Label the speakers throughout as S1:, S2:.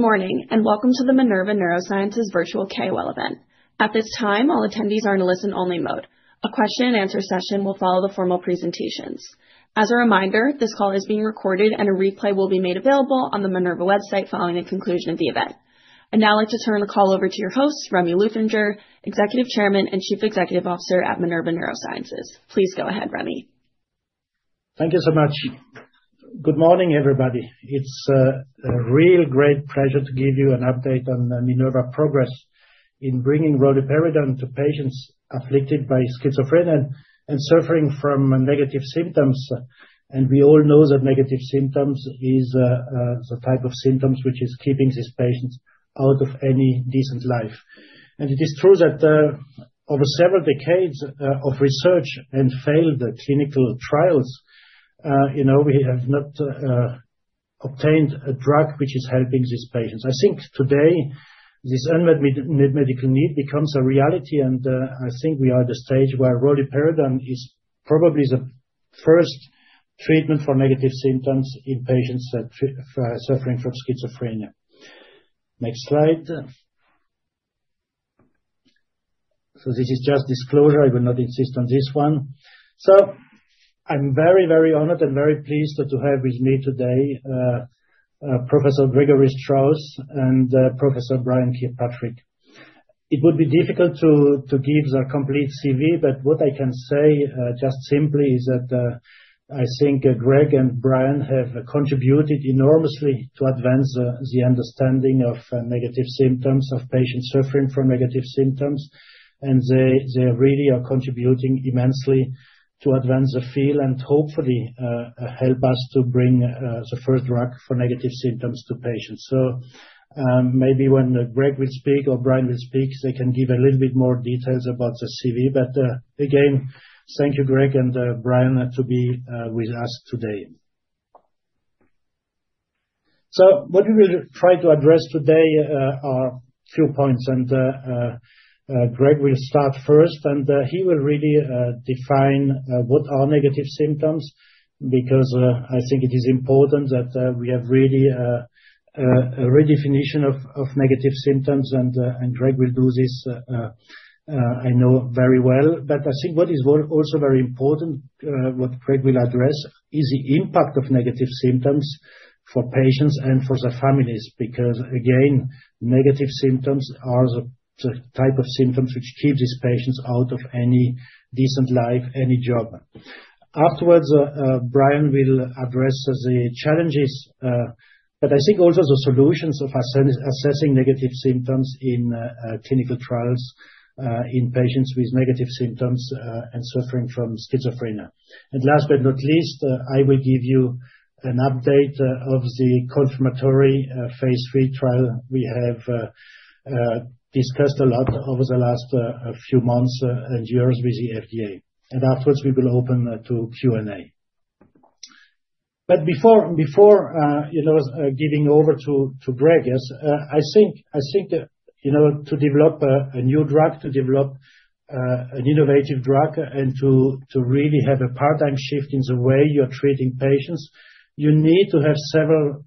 S1: Good morning, and welcome to the Minerva Neurosciences virtual KOL event. At this time, all attendees are in listen only mode. A question and answer session will follow the formal presentations. As a reminder, this call is being recorded, and a replay will be made available on the Minerva website following the conclusion of the event. I'd now like to turn the call over to your host, Rémy Luthringer, Executive Chairman and Chief Executive Officer at Minerva Neurosciences. Please go ahead, Rémy.
S2: Thank you so much. Good morning, everybody. It's a real great pleasure to give you an update on the Minerva progress in bringing roluperidone to patients afflicted by schizophrenia and suffering from negative symptoms. We all know that negative symptoms is the type of symptoms which is keeping these patients out of any decent life. It is true that over several decades of research and failed clinical trials, you know, we have not obtained a drug which is helping these patients. I think today, this unmet medical need becomes a reality, and I think we are at the stage where roluperidone is probably the first treatment for negative symptoms in patients suffering from schizophrenia. Next slide. This is just disclosure, I will not insist on this one. So I'm very, very honored and very pleased to have with me today, Professor Gregory Strauss and Professor Brian Kirkpatrick. It would be difficult to give their complete CV, but what I can say, just simply, is that I think Greg and Brian have contributed enormously to advance the understanding of negative symptoms of patients suffering from negative symptoms. And they really are contributing immensely to advance the field, and hopefully help us to bring the first drug for negative symptoms to patients. So, maybe when Greg will speak or Brian will speak, they can give a little bit more details about the CV. But, again, thank you, Greg and Brian, to be with us today. So what we will try to address today are few points, and Greg will start first, and he will really define what are negative symptoms, because I think it is important that we have really a redefinition of negative symptoms, and Greg will do this, I know very well. But I think what is also very important, what Greg will address, is the impact of negative symptoms for patients and for their families. Because again, negative symptoms are the type of symptoms which keep these patients out of any decent life, any job. Afterwards, Brian will address the challenges, but I think also the solutions of assessing negative symptoms in clinical trials in patients with negative symptoms and suffering from schizophrenia. And last but not least, I will give you an update of the confirmatory phase III trial we have discussed a lot over the last few months and years with the FDA. Afterwards, we will open to Q&A. But before you know giving over to Greg, yes, I think that you know to develop a new drug, to develop an innovative drug, and to really have a paradigm shift in the way you're treating patients, you need to have several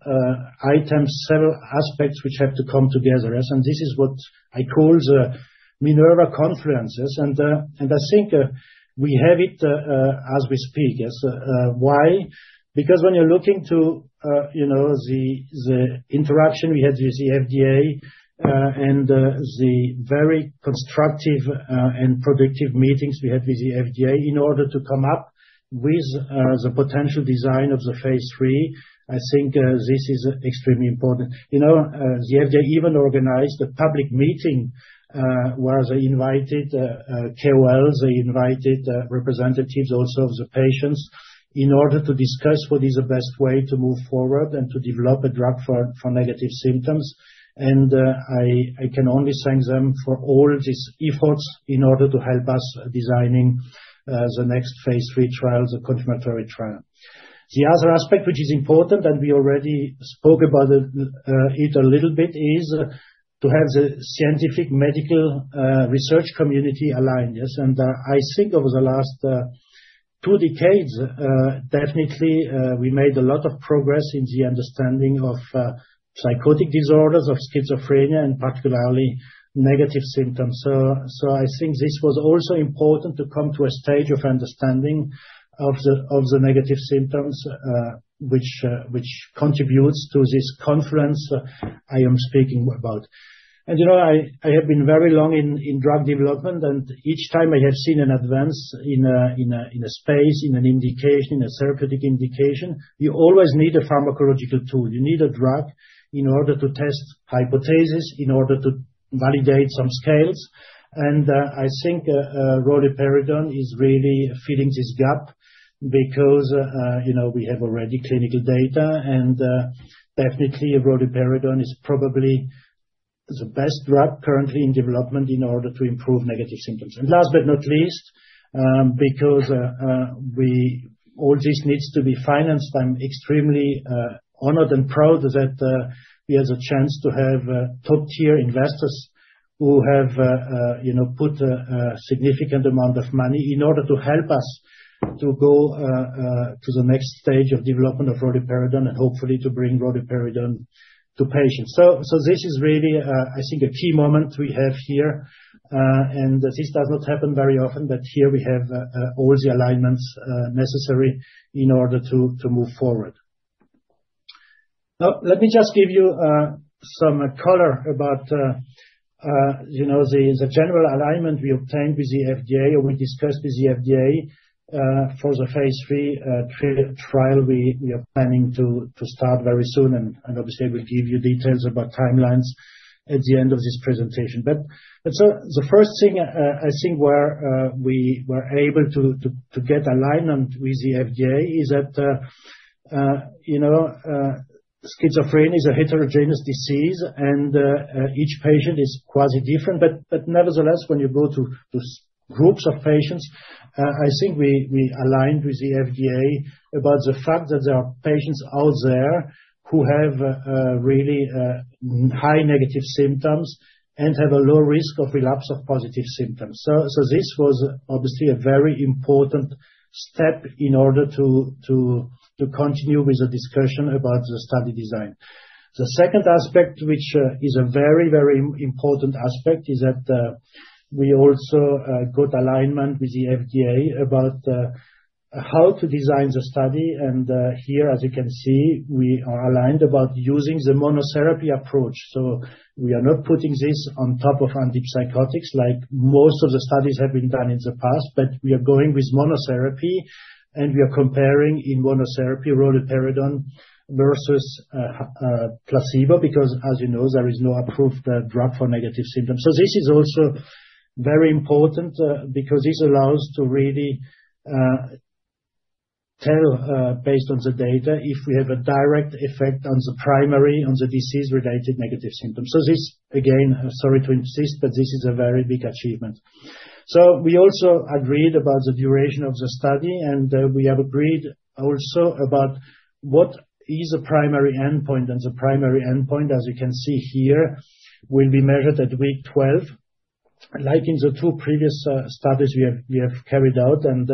S2: items, several aspects, which have to come together. Yes, and this is what I call the Minerva Confluences, and I think we have it as we speak. Yes. Why? Because when you're looking to, you know, the interaction we had with the FDA, and the very constructive and productive meetings we had with the FDA, in order to come up with the potential design of the phase III, I think this is extremely important. You know, the FDA even organized a public meeting, where they invited KOLs, they invited representatives, also the patients, in order to discuss what is the best way to move forward and to develop a drug for negative symptoms. And I can only thank them for all these efforts in order to help us designing the next phase III trial, the confirmatory trial. The other aspect, which is important, and we already spoke about it, a little bit, is to have the scientific medical, research community aligned. Yes, and, I think over the last, two decades, definitely, we made a lot of progress in the understanding of, psychotic disorders, of schizophrenia, and particularly negative symptoms. So, I think this was also important to come to a stage of understanding of the, negative symptoms, which contributes to this confluence I am speaking about. And you know, I have been very long in, drug development, and each time I have seen an advance in a, space, in an indication, a therapeutic indication, you always need a pharmacological tool. You need a drug in order to test hypothesis, in order to validate some scales, and I think roluperidone is really filling this gap, because you know, we have already clinical data, and definitely roluperidone is probably the best drug currently in development in order to improve negative symptoms. And last but not least, because all this needs to be financed, I'm extremely honored and proud that we have the chance to have top-tier investors who have you know, put a significant amount of money in order to help us to go to the next stage of development of roluperidone, and hopefully to bring roluperidone to patients. So this is really, I think, a key moment we have here, and this does not happen very often, but here we have all the alignments necessary in order to move forward. Let me just give you some color about, you know, the general alignment we obtained with the FDA, or we discussed with the FDA, for the phase III trial we are planning to start very soon, and obviously, we'll give you details about timelines at the end of this presentation. But so the first thing I think where we were able to get alignment with the FDA is that you know schizophrenia is a heterogeneous disease, and each patient is quite different, but nevertheless, when you go to groups of patients, I think we aligned with the FDA about the fact that there are patients out there who have really high negative symptoms and have a low risk of relapse of positive symptoms. So this was obviously a very important step in order to continue with the discussion about the study design. The second aspect, which is a very, very important aspect, is that we also got alignment with the FDA about how to design the study, and here, as you can see, we are aligned about using the monotherapy approach. So we are not putting this on top of antipsychotics, like most of the studies have been done in the past, but we are going with monotherapy, and we are comparing, in monotherapy, roluperidone versus placebo, because, as you know, there is no approved drug for negative symptoms. So this is also very important because this allows to really tell based on the data, if we have a direct effect on the primary, on the disease-related negative symptoms. So this, again, sorry to insist, but this is a very big achievement. So we also agreed about the duration of the study, and we have agreed also about what is a primary endpoint, and the primary endpoint, as you can see here, will be measured at week 12, like in the two previous studies we have carried out. And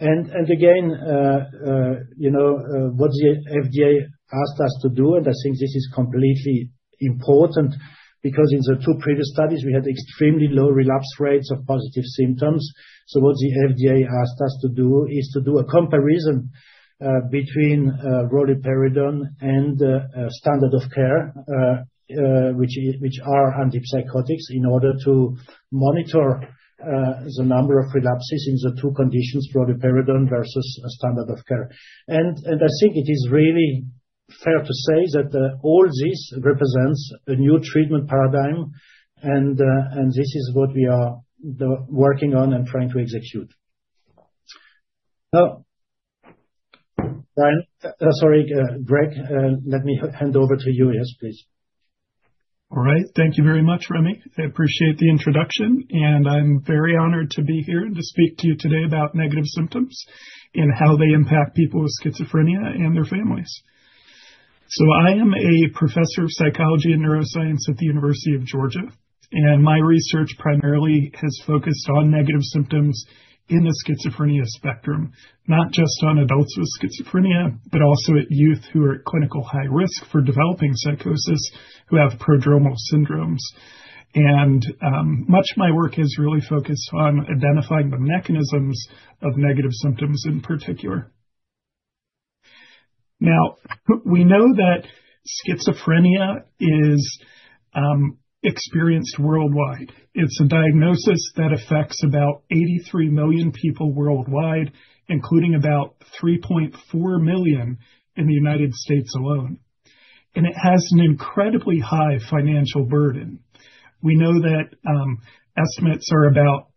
S2: you know what the FDA asked us to do, and I think this is completely important because in the two previous studies, we had extremely low relapse rates of positive symptoms. So what the FDA asked us to do is to do a comparison between roluperidone and a standard of care, which are antipsychotics, in order to monitor the number of relapses in the two conditions, roluperidone versus a standard of care. And I think it is really fair to say that all this represents a new treatment paradigm, and this is what we are working on and trying to execute. Now, Brian... Sorry, Greg, let me hand over to you. Yes, please.
S3: All right. Thank you very much, Rémy. I appreciate the introduction, and I'm very honored to be here to speak to you today about negative symptoms and how they impact people with schizophrenia and their families. So I am a professor of psychology and neuroscience at the University of Georgia, and my research primarily has focused on negative symptoms in the schizophrenia spectrum, not just on adults with schizophrenia, but also at youth who are at clinical high risk for developing psychosis, who have prodromal syndromes. And much of my work is really focused on identifying the mechanisms of negative symptoms, in particular. Now, we know that schizophrenia is experienced worldwide. It's a diagnosis that affects about 83 million people worldwide, including about 3.4 million in the United States alone, and it has an incredibly high financial burden. We know that estimates are about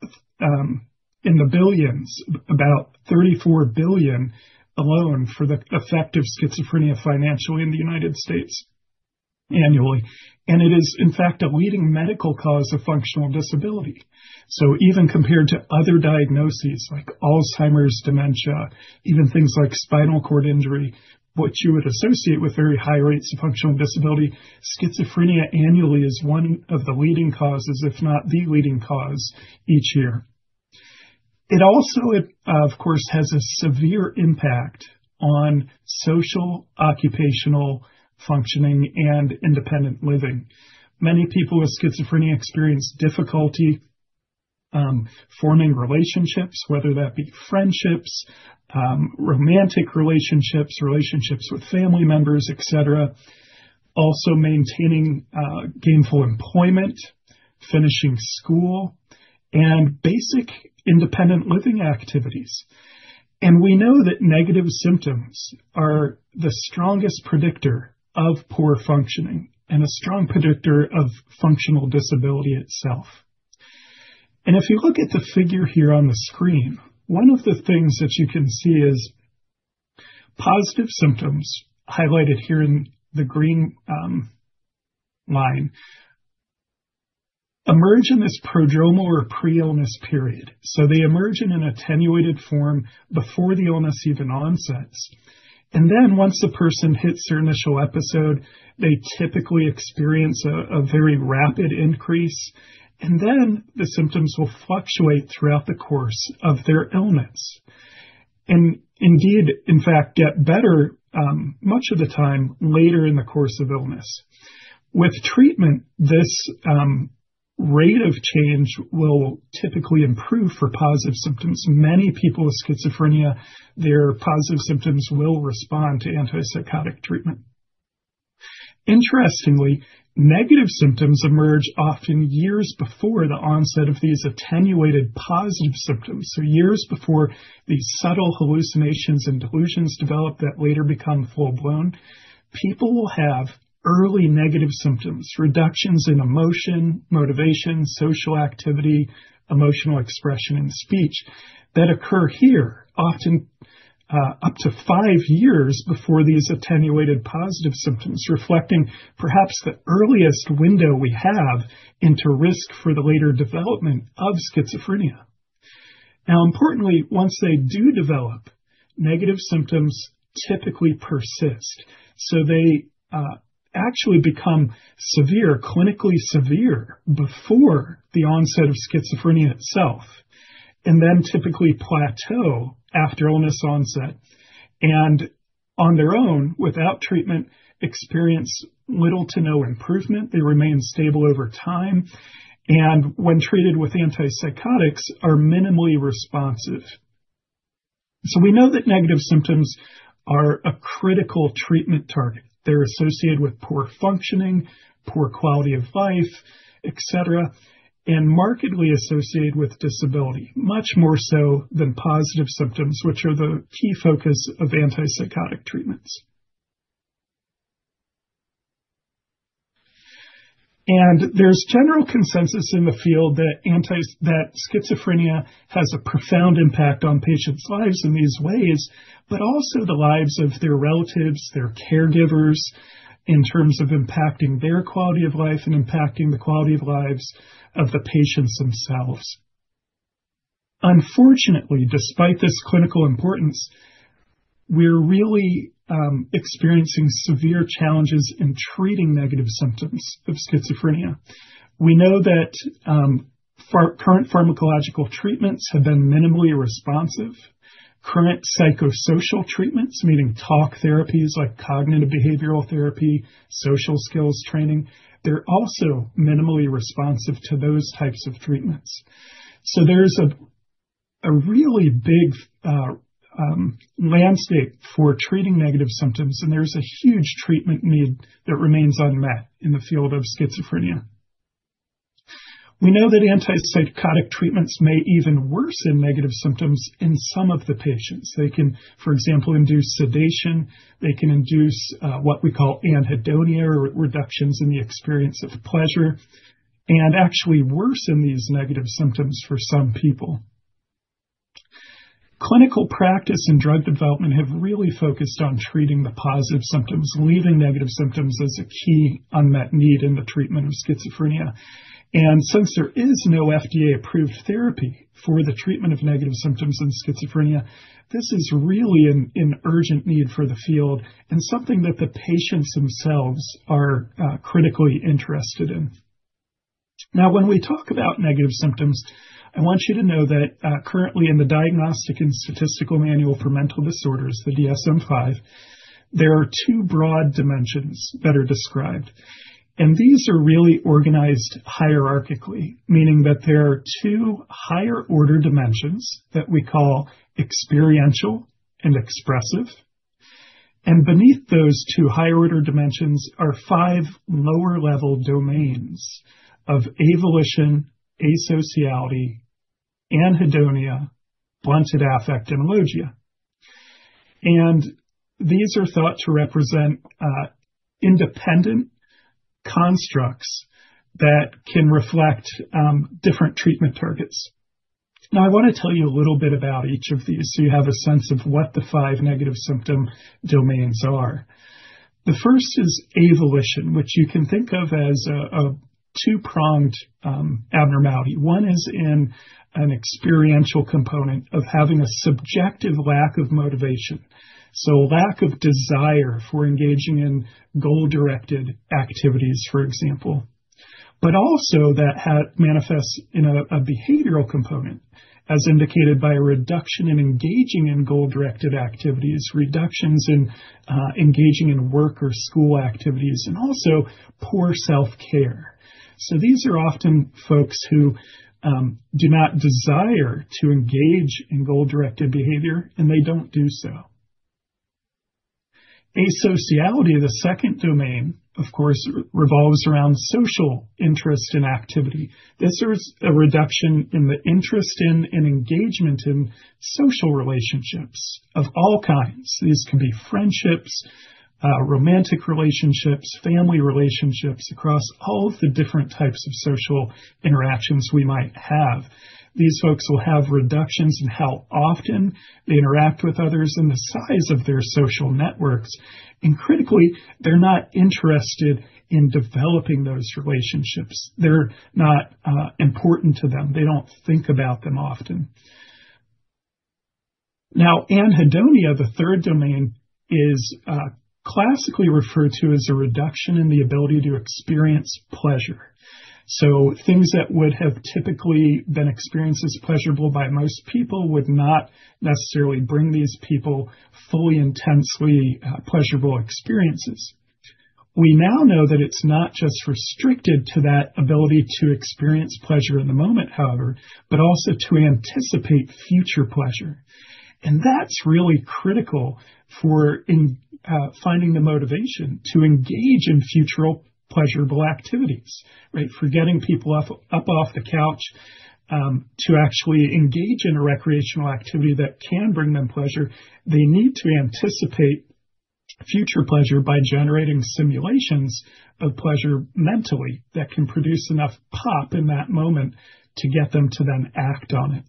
S3: in the billions, about $34 billion alone for the effect of schizophrenia financially in the United States annually, and it is, in fact, a leading medical cause of functional disability. So even compared to other diagnoses like Alzheimer's, dementia, even things like spinal cord injury, what you would associate with very high rates of functional disability, schizophrenia annually is one of the leading causes, if not the leading cause, each year. It also, it of course has a severe impact on social, occupational functioning and independent living. Many people with schizophrenia experience difficulty forming relationships, whether that be friendships, romantic relationships, relationships with family members, et cetera. Also, maintaining gainful employment, finishing school and basic independent living activities. And we know that negative symptoms are the strongest predictor of poor functioning and a strong predictor of functional disability itself. And if you look at the figure here on the screen, one of the things that you can see is positive symptoms, highlighted here in the green line, emerge in this prodromal or pre-illness period. So they emerge in an attenuated form before the illness even onsets, and then once the person hits their initial episode, they typically experience a very rapid increase, and then the symptoms will fluctuate throughout the course of their illness... and indeed, in fact, get better much of the time, later in the course of illness. With treatment, this rate of change will typically improve for positive symptoms. Many people with schizophrenia, their positive symptoms will respond to antipsychotic treatment. Interestingly, negative symptoms emerge often years before the onset of these attenuated positive symptoms. So years before these subtle hallucinations and delusions develop, that later become full-blown, people will have early negative symptoms, reductions in emotion, motivation, social activity, emotional expression, and speech, that occur here, often, up to five years before these attenuated positive symptoms, reflecting perhaps the earliest window we have into risk for the later development of schizophrenia. Now, importantly, once they do develop, negative symptoms typically persist, so they, actually become severe, clinically severe before the onset of schizophrenia itself, and then typically plateau after illness onset and on their own, without treatment, experience little to no improvement. They remain stable over time, and when treated with antipsychotics, are minimally responsive. So we know that negative symptoms are a critical treatment target. They're associated with poor functioning, poor quality of life, et cetera, and markedly associated with disability, much more so than positive symptoms, which are the key focus of antipsychotic treatments. There's general consensus in the field that schizophrenia has a profound impact on patients' lives in these ways, but also the lives of their relatives, their caregivers, in terms of impacting their quality of life and impacting the quality of lives of the patients themselves. Unfortunately, despite this clinical importance, we're really experiencing severe challenges in treating negative symptoms of schizophrenia. We know that current pharmacological treatments have been minimally responsive. Current psychosocial treatments, meaning talk therapies like cognitive behavioral therapy, social skills training, they're also minimally responsive to those types of treatments. So there's a really big landscape for treating negative symptoms, and there's a huge treatment need that remains unmet in the field of schizophrenia. We know that antipsychotic treatments may even worsen negative symptoms in some of the patients. They can, for example, induce sedation. They can induce what we call anhedonia, or reductions in the experience of pleasure, and actually worsen these negative symptoms for some people. Clinical practice and drug development have really focused on treating the positive symptoms, leaving negative symptoms as a key unmet need in the treatment of schizophrenia. And since there is no FDA-approved therapy for the treatment of negative symptoms in schizophrenia, this is really an urgent need for the field and something that the patients themselves are critically interested in. Now, when we talk about negative symptoms, I want you to know that, currently in the Diagnostic and Statistical Manual for Mental Disorders, the DSM-5, there are two broad dimensions that are described, and these are really organized hierarchically, meaning that there are two higher-order dimensions that we call experiential and expressive. Beneath those two higher-order dimensions are five lower-level domains of avolition, asociality, anhedonia, blunted affect, and alogia. These are thought to represent independent constructs that can reflect different treatment targets. Now, I want to tell you a little bit about each of these so you have a sense of what the five negative symptom domains are. The first is avolition, which you can think of as a two-pronged abnormality. One is in an experiential component of having a subjective lack of motivation, so a lack of desire for engaging in goal-directed activities, for example, but also that manifests in a behavioral component, as indicated by a reduction in engaging in goal-directed activities, reductions in engaging in work or school activities, and also poor self-care. So these are often folks who do not desire to engage in goal-directed behavior, and they don't do so. Asociality, the second domain, of course, revolves around social interest and activity. This is a reduction in the interest in and engagement in social relationships of all kinds. These can be friendships, romantic relationships, family relationships, across all of the different types of social interactions we might have. These folks will have reductions in how often they interact with others and the size of their social networks, and critically, they're not interested in developing those relationships. They're not important to them. They don't think about them often. Now, anhedonia, the third domain, is classically referred to as a reduction in the ability to experience pleasure. So things that would have typically been experienced as pleasurable by most people would not necessarily bring these people fully intensely pleasurable experiences. We now know that it's not just restricted to that ability to experience pleasure in the moment, however, but also to anticipate future pleasure. And that's really critical for finding the motivation to engage in futural pleasurable activities, right? For getting people off, up off the couch, to actually engage in a recreational activity that can bring them pleasure. They need to anticipate future pleasure by generating simulations of pleasure mentally, that can produce enough pop in that moment to get them to then act on it.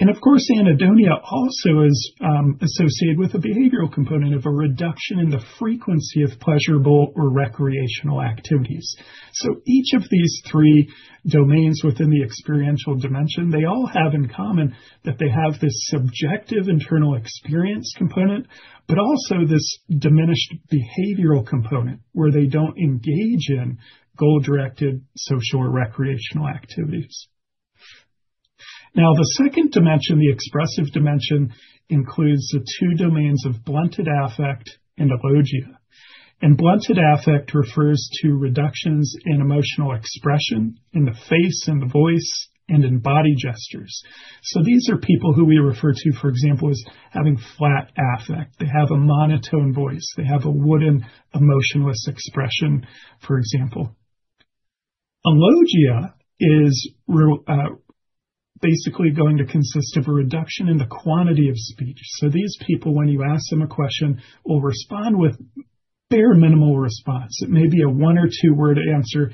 S3: And of course, anhedonia also is associated with a behavioral component of a reduction in the frequency of pleasurable or recreational activities. So each of these three domains within the experiential dimension, they all have in common that they have this subjective internal experience component, but also this diminished behavioral component, where they don't engage in goal-directed, social, or recreational activities. Now, the second dimension, the expressive dimension, includes the two domains of blunted affect and alogia. And blunted affect refers to reductions in emotional expression in the face, and the voice, and in body gestures. So these are people who we refer to, for example, as having flat affect. They have a monotone voice. They have a wooden, emotionless expression, for example. Alogia is basically going to consist of a reduction in the quantity of speech. So these people, when you ask them a question, will respond with bare minimum response. It may be a one- or two-word answer,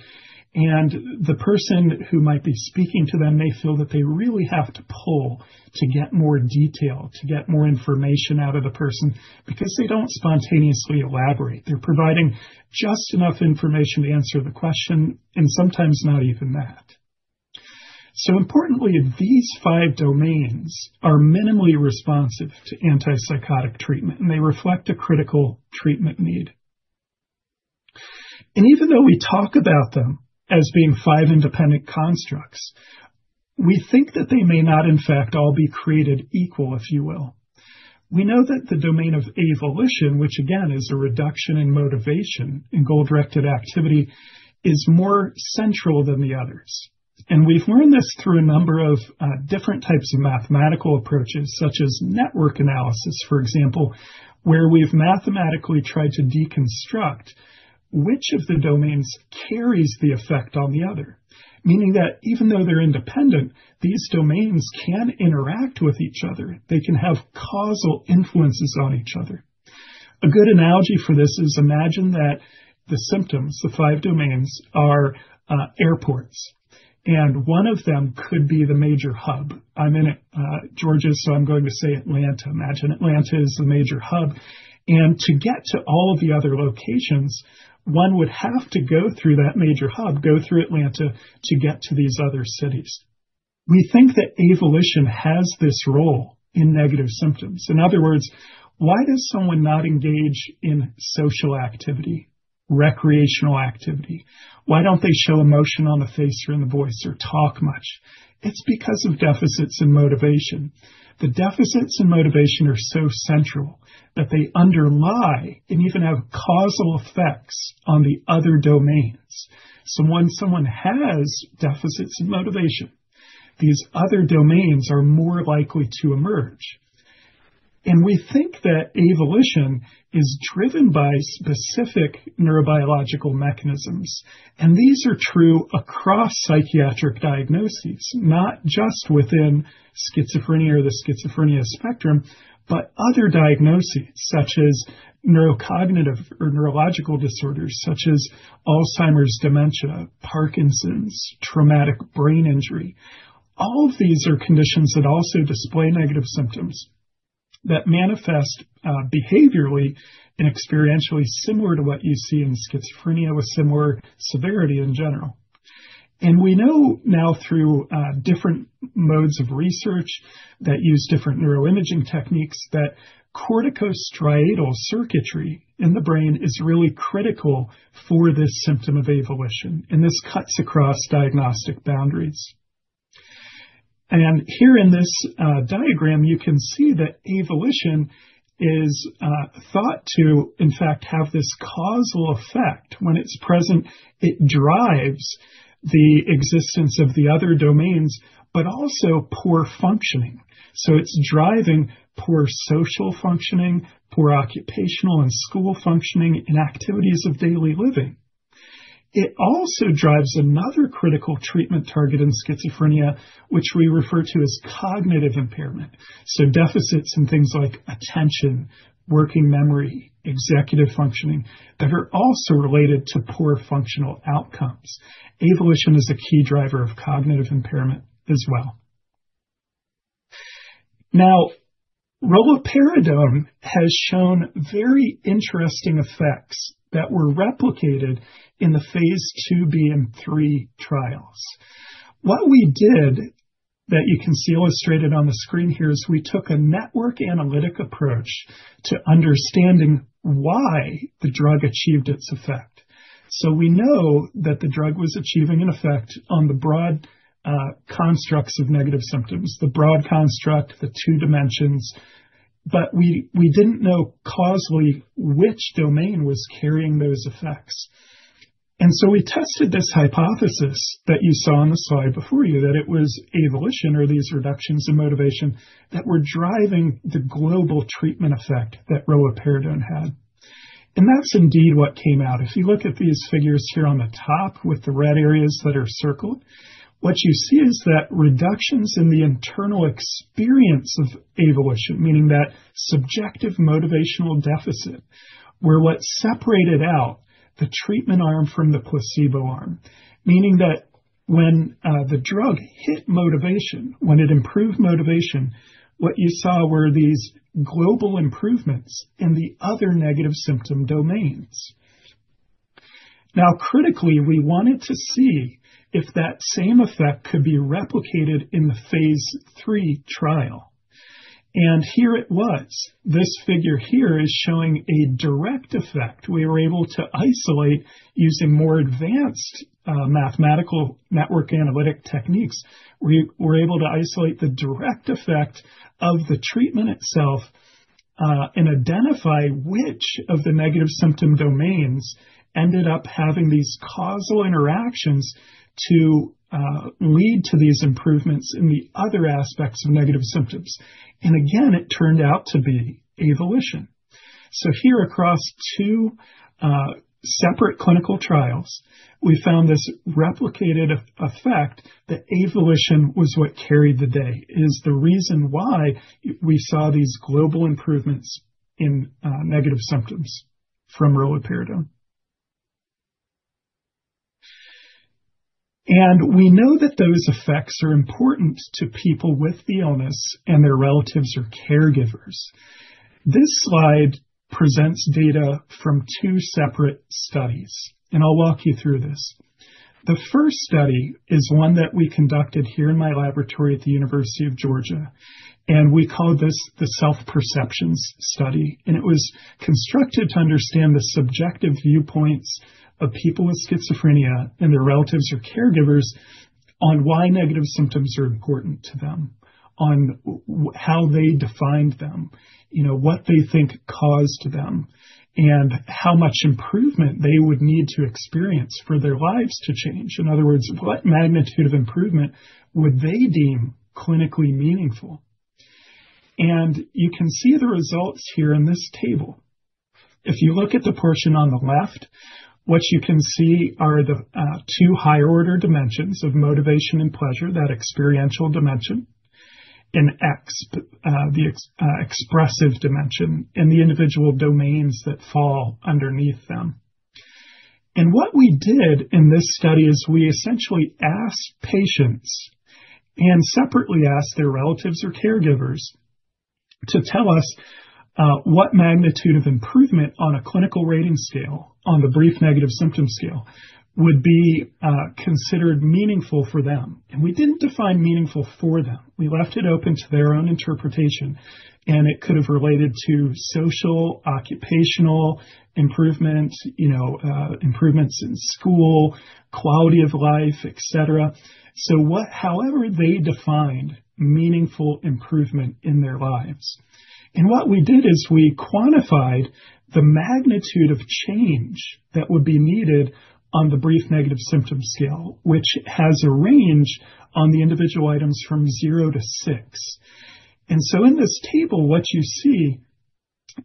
S3: and the person who might be speaking to them may feel that they really have to pull to get more detail, to get more information out of the person because they don't spontaneously elaborate. They're providing just enough information to answer the question, and sometimes not even that. So importantly, these five domains are minimally responsive to antipsychotic treatment, and they reflect a critical treatment need. And even though we talk about them as being five independent constructs, we think that they may not, in fact, all be created equal, if you will. We know that the domain of avolition, which again, is a reduction in motivation in goal-directed activity, is more central than the others. We've learned this through a number of different types of mathematical approaches, such as network analysis, for example, where we've mathematically tried to deconstruct which of the domains carries the effect on the other. Meaning that even though they're independent, these domains can interact with each other. They can have causal influences on each other. A good analogy for this is imagine that the symptoms, the five domains, are airports, and one of them could be the major hub. I'm in Georgia, so I'm going to say Atlanta. Imagine Atlanta is a major hub, and to get to all of the other locations, one would have to go through that major hub, go through Atlanta, to get to these other cities. We think that avolition has this role in negative symptoms. In other words, why does someone not engage in social activity, recreational activity? Why don't they show emotion on the face or in the voice or talk much? It's because of deficits and motivation. The deficits and motivation are so central that they underlie and even have causal effects on the other domains. So when someone has deficits and motivation, these other domains are more likely to emerge. And we think that avolition is driven by specific neurobiological mechanisms, and these are true across psychiatric diagnoses, not just within schizophrenia or the schizophrenia spectrum, but other diagnoses such as neurocognitive or neurological disorders such as Alzheimer's, dementia, Parkinson's, traumatic brain injury. All of these are conditions that also display negative symptoms that manifest, behaviorally and experientially similar to what you see in schizophrenia, with similar severity in general. We know now through, different modes of research that use different neuroimaging techniques, that corticostriatal circuitry in the brain is really critical for this symptom of avolition, and this cuts across diagnostic boundaries. Here in this, diagram, you can see that avolition is, thought to, in fact, have this causal effect. When it's present, it drives the existence of the other domains, but also poor functioning. So it's driving poor social functioning, poor occupational and school functioning, and activities of daily living. It also drives another critical treatment target in schizophrenia, which we refer to as cognitive impairment. Deficits in things like attention, working memory, executive functioning, that are also related to poor functional outcomes. Avolition is a key driver of cognitive impairment as well. Now, roluperidone has shown very interesting effects that were replicated in the phase II and III trials. What we did that you can see illustrated on the screen here is we took a network analytic approach to understanding why the drug achieved its effect. So we know that the drug was achieving an effect on the broad, constructs of negative symptoms, the broad construct, the two dimensions, but we, we didn't know causally which domain was carrying those effects. And so we tested this hypothesis that you saw on the slide before you, that it was avolition or these reductions in motivation that were driving the global treatment effect that roluperidone had. And that's indeed what came out. If you look at these figures here on the top with the red areas that are circled, what you see is that reductions in the internal experience of avolition, meaning that subjective motivational deficit, were what separated out the treatment arm from the placebo arm. Meaning that when the drug hit motivation, when it improved motivation, what you saw were these global improvements in the other negative symptom domains. Now, critically, we wanted to see if that same effect could be replicated in the phase III trial. And here it was. This figure here is showing a direct effect. We were able to isolate using more advanced mathematical network analytic techniques. We were able to isolate the direct effect of the treatment itself and identify which of the negative symptom domains ended up having these causal interactions to lead to these improvements in the other aspects of negative symptoms. And again, it turned out to be avolition. So here, across two separate clinical trials, we found this replicated effect, that avolition was what carried the day. It is the reason why we saw these global improvements in negative symptoms from roluperidone. We know that those effects are important to people with the illness and their relatives or caregivers. This slide presents data from two separate studies, and I'll walk you through this. The first study is one that we conducted here in my laboratory at the University of Georgia, and we called this the Self-Perceptions Study, and it was constructed to understand the subjective viewpoints of people with schizophrenia and their relatives or caregivers on why negative symptoms are important to them, on how they defined them, you know, what they think caused them, and how much improvement they would need to experience for their lives to change. In other words, what magnitude of improvement would they deem clinically meaningful? You can see the results here in this table. If you look at the portion on the left, what you can see are the two higher order dimensions of motivation and pleasure, that experiential dimension, and the expressive dimension and the individual domains that fall underneath them. And what we did in this study is we essentially asked patients, and separately asked their relatives or caregivers, to tell us what magnitude of improvement on a clinical rating scale, on the Brief Negative Symptom Scale, would be considered meaningful for them. And we didn't define meaningful for them. We left it open to their own interpretation, and it could have related to social, occupational improvement, you know, improvements in school, quality of life, et cetera. So, however, they defined meaningful improvement in their lives. What we did is we quantified the magnitude of change that would be needed on the Brief Negative Symptom Scale, which has a range on the individual items from 0-6. So in this table, what you see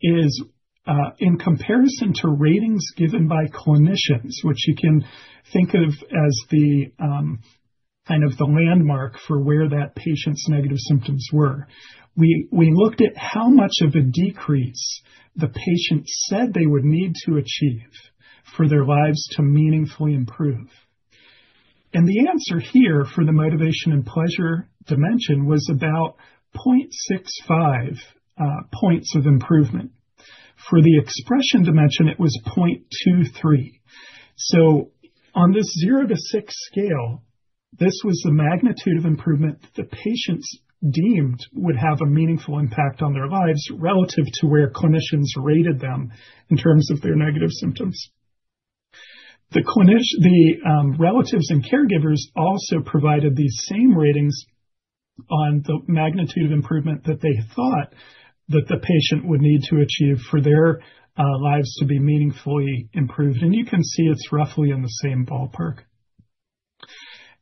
S3: is, in comparison to ratings given by clinicians, which you can think of as the kind of landmark for where that patient's negative symptoms were. We looked at how much of a decrease the patient said they would need to achieve for their lives to meaningfully improve. The answer here for the motivation and pleasure dimension was about 0.65 points of improvement. For the expression dimension, it was 0.23. So on this 0-6 scale, this was the magnitude of improvement the patients deemed would have a meaningful impact on their lives relative to where clinicians rated them in terms of their negative symptoms. The relatives and caregivers also provided these same ratings on the magnitude of improvement that they thought that the patient would need to achieve for their lives to be meaningfully improved. And you can see it's roughly in the same ballpark.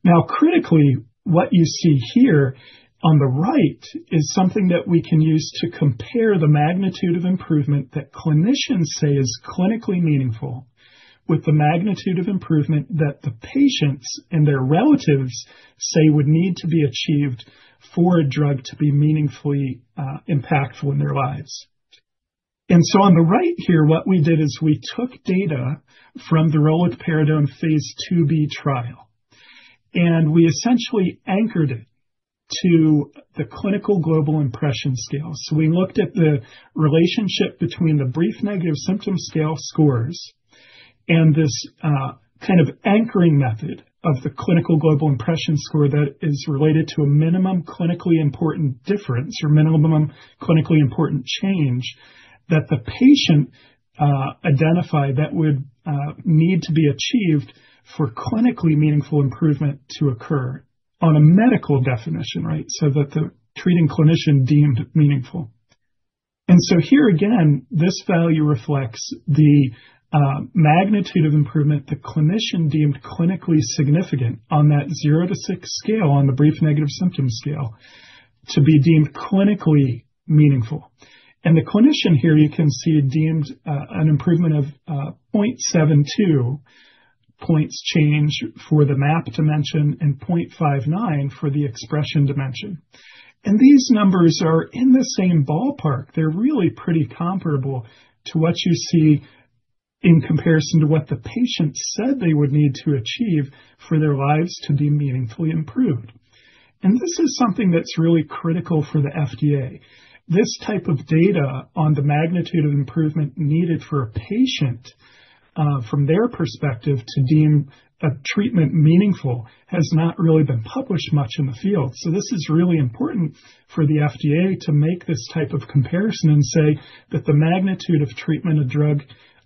S3: Now, critically, what you see here on the right is something that we can use to compare the magnitude of improvement that clinicians say is clinically meaningful with the magnitude of improvement that the patients and their relatives say would need to be achieved for a drug to be meaningfully impactful in their lives. On the right here, what we did is we took data from the roluperidone phase II-B trial, and we essentially anchored it to the Clinical Global Impression Scale. So we looked at the relationship between the Brief Negative Symptom Scale scores and this kind of anchoring method of the Clinical Global Impression score that is related to a minimum clinically important difference or minimum clinically important change that the patient identified that would need to be achieved for clinically meaningful improvement to occur on a medical definition, right? So that the treating clinician deemed meaningful. And so here again, this value reflects the magnitude of improvement the clinician deemed clinically significant on that 0-6 scale, on the Brief Negative Symptom Scale, to be deemed clinically meaningful. And the clinician here, you can see, deemed an improvement of 0.72 points change for the MAP dimension and 0.59 for the expression dimension. And these numbers are in the same ballpark. They're really pretty comparable to what you see in comparison to what the patient said they would need to achieve for their lives to be meaningfully improved. And this is something that's really critical for the FDA. This type of data on the magnitude of improvement needed for a patient from their perspective, to deem a treatment meaningful, has not really been published much in the field. So this is really important for the FDA to make this type of comparison and say that the magnitude of treatment a drug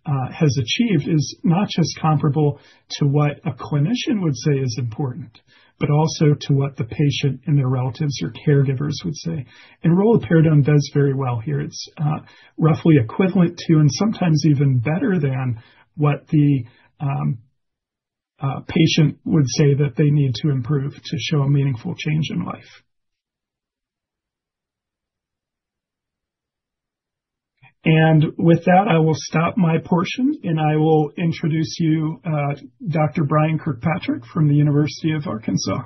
S3: has achieved is not just comparable to what a clinician would say is important, but also to what the patient and their relatives or caregivers would say. And roluperidone does very well here. It's roughly equivalent to, and sometimes even better than, what the patient would say that they need to improve to show a meaningful change in life. And with that, I will stop my portion, and I will introduce you to Dr. Brian Kirkpatrick from the University of Arkansas.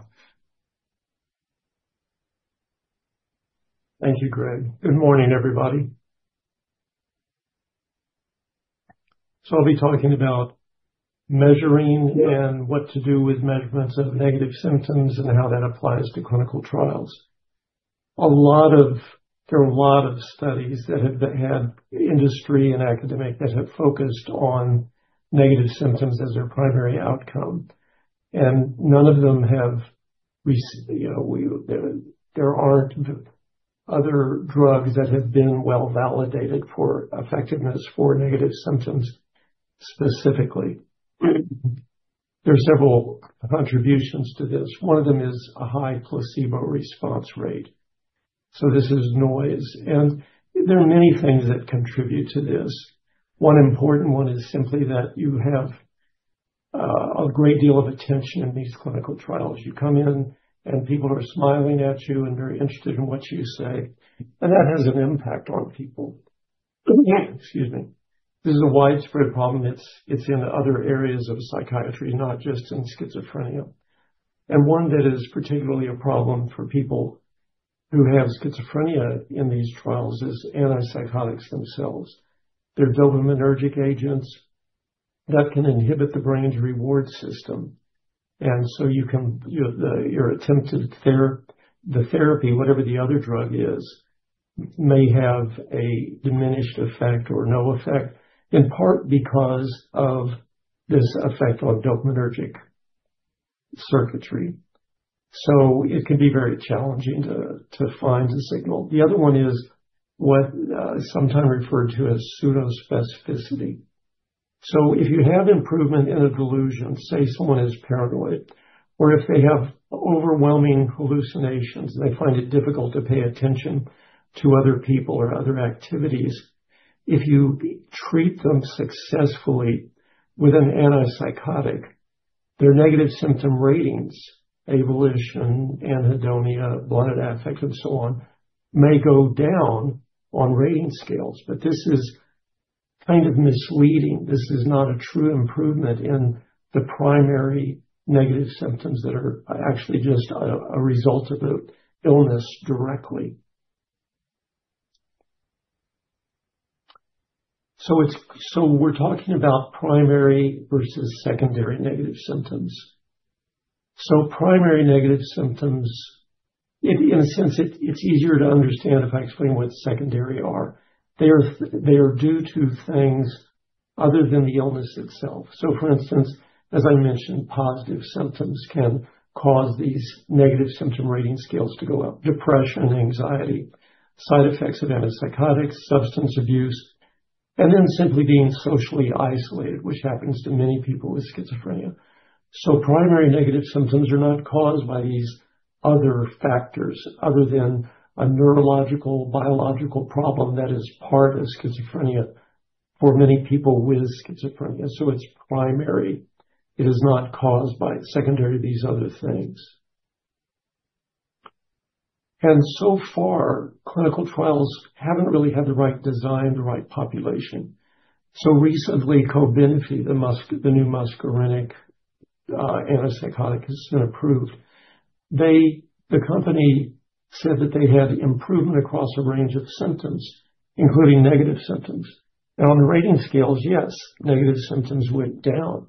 S4: Thank you, Greg. Good morning, everybody. So I'll be talking about measuring and what to do with measurements of negative symptoms and how that applies to clinical trials. There are a lot of studies that have had industry and academic that have focused on negative symptoms as their primary outcome, and none of them have, you know, there aren't other drugs that have been well-validated for effectiveness for negative symptoms specifically. There are several contributions to this. One of them is a high placebo response rate, so this is noise. And there are many things that contribute to this. One important one is simply that you have a great deal of attention in these clinical trials. You come in, and people are smiling at you and very interested in what you say, and that has an impact on people. Excuse me. This is a widespread problem. It's in other areas of psychiatry, not just in schizophrenia. And one that is particularly a problem for people who have schizophrenia in these trials is antipsychotics themselves. They're dopaminergic agents that can inhibit the brain's reward system, and so you can, you know, your attempted therapy, whatever the other drug is, may have a diminished effect or no effect, in part because of this effect on dopaminergic circuitry. So it can be very challenging to find a signal. The other one is what is sometimes referred to as pseudo specificity. So if you have improvement in a delusion, say someone is paranoid, or if they have overwhelming hallucinations, they find it difficult to pay attention to other people or other activities. If you treat them successfully with an antipsychotic, their negative symptom ratings, avolition, anhedonia, blunted affect, and so on, may go down on rating scales. But this is kind of misleading. This is not a true improvement in the primary negative symptoms that are actually just a result of the illness directly. So we're talking about primary versus secondary negative symptoms. So primary negative symptoms, in a sense, it's easier to understand if I explain what secondary are. They are due to things other than the illness itself. So for instance, as I mentioned, positive symptoms can cause these negative symptom rating scales to go up: depression, anxiety, side effects of antipsychotics, substance abuse, and then simply being socially isolated, which happens to many people with schizophrenia. So primary negative symptoms are not caused by these other factors other than a neurological, biological problem that is part of schizophrenia for many people with schizophrenia, so it's primary. It is not caused by secondary, these other things. And so far, clinical trials haven't really had the right design, the right population. So recently, Cobenfy, the new muscarinic antipsychotic, has been approved. The company said that they had improvement across a range of symptoms, including negative symptoms. And on the rating scales, yes, negative symptoms went down.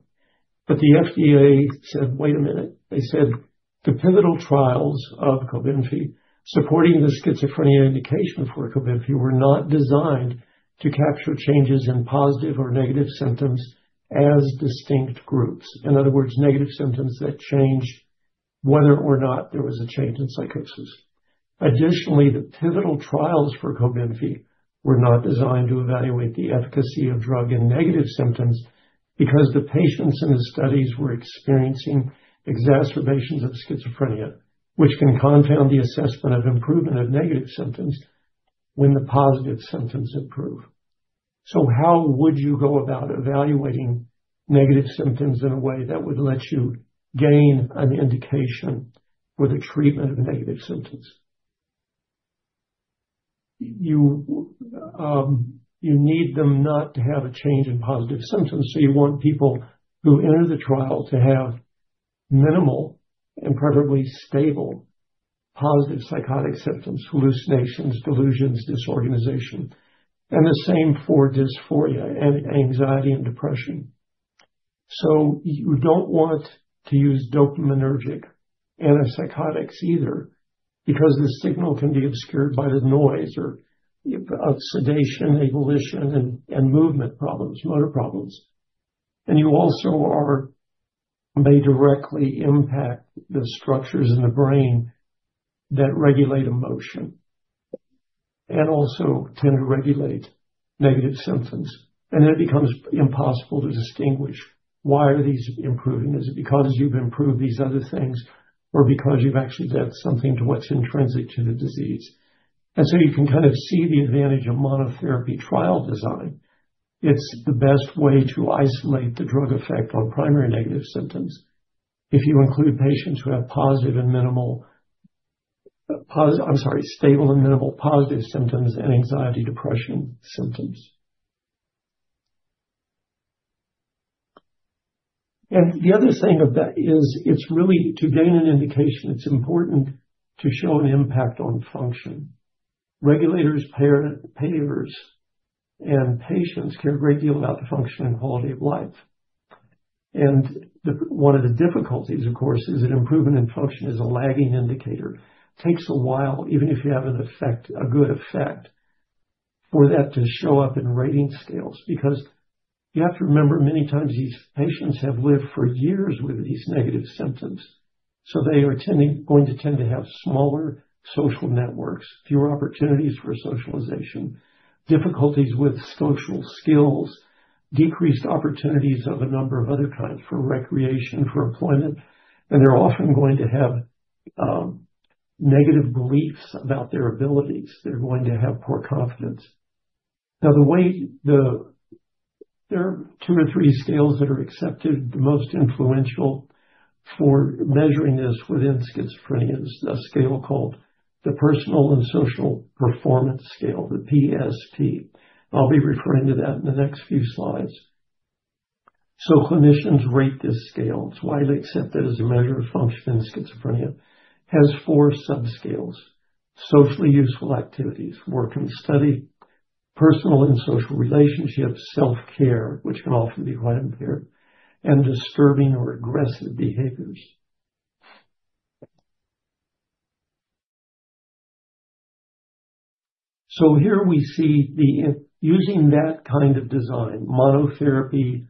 S4: But the FDA said, "Wait a minute." They said, "The pivotal trials of Cobenfy, supporting the schizophrenia indication for Cobenfy, were not designed to capture changes in positive or negative symptoms as distinct groups. In other words, negative symptoms that change whether or not there was a change in psychosis. Additionally, the pivotal trials for Cobenfy were not designed to evaluate the efficacy of drug and negative symptoms, because the patients in the studies were experiencing exacerbations of schizophrenia, which can confound the assessment of improvement of negative symptoms when the positive symptoms improve. So how would you go about evaluating negative symptoms in a way that would let you gain an indication for the treatment of negative symptoms? You, you need them not to have a change in positive symptoms, so you want people who enter the trial to have minimal and preferably stable positive psychotic symptoms, hallucinations, delusions, disorganization, and the same for dysphoria and anxiety and depression. So you don't want to use dopaminergic antipsychotics either, because the signal can be obscured by the noise or of sedation, avolition, and movement problems, motor problems. And you also may directly impact the structures in the brain that regulate emotion, and also tend to regulate negative symptoms. And it becomes impossible to distinguish why are these improving? Is it because you've improved these other things, or because you've actually done something to what's intrinsic to the disease? And so you can kind of see the advantage of monotherapy trial design. It's the best way to isolate the drug effect on primary negative symptoms if you include patients who have stable and minimal positive symptoms and anxiety, depression symptoms. And the other thing of that is, it's really to gain an indication, it's important to show an impact on function. Regulators, payer, payers, and patients care a great deal about the function and quality of life. One of the difficulties, of course, is that improvement in function is a lagging indicator. Takes a while, even if you have an effect, a good effect, for that to show up in rating scales, because you have to remember, many times these patients have lived for years with these negative symptoms, so they are tending, going to tend to have smaller social networks, fewer opportunities for socialization, difficulties with social skills, decreased opportunities of a number of other kinds, for recreation, for employment. And they're often going to have negative beliefs about their abilities. They're going to have poor confidence. Now, there are two or three scales that are accepted. The most influential for measuring this within schizophrenia is a scale called the Personal and Social Performance Scale, the PSP. I'll be referring to that in the next few slides. So clinicians rate this scale. It's widely accepted as a measure of function in schizophrenia. It has four subscales: socially useful activities, work and study, personal and social relationships, self-care, which can often be quite impaired, and disturbing or aggressive behaviors. So here we see the using that kind of design, monotherapy,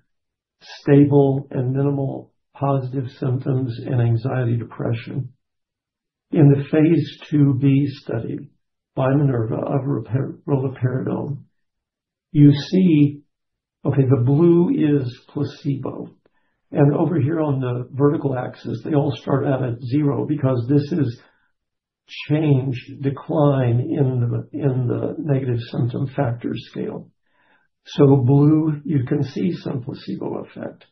S4: stable and minimal positive symptoms, and anxiety, depression. In the phase II-B study by Minerva of roluperidone, you see... Okay, the blue is placebo, and over here on the vertical axis, they all start out at zero because this is change, decline in the negative symptom factor scale. So blue, you can see some placebo effect,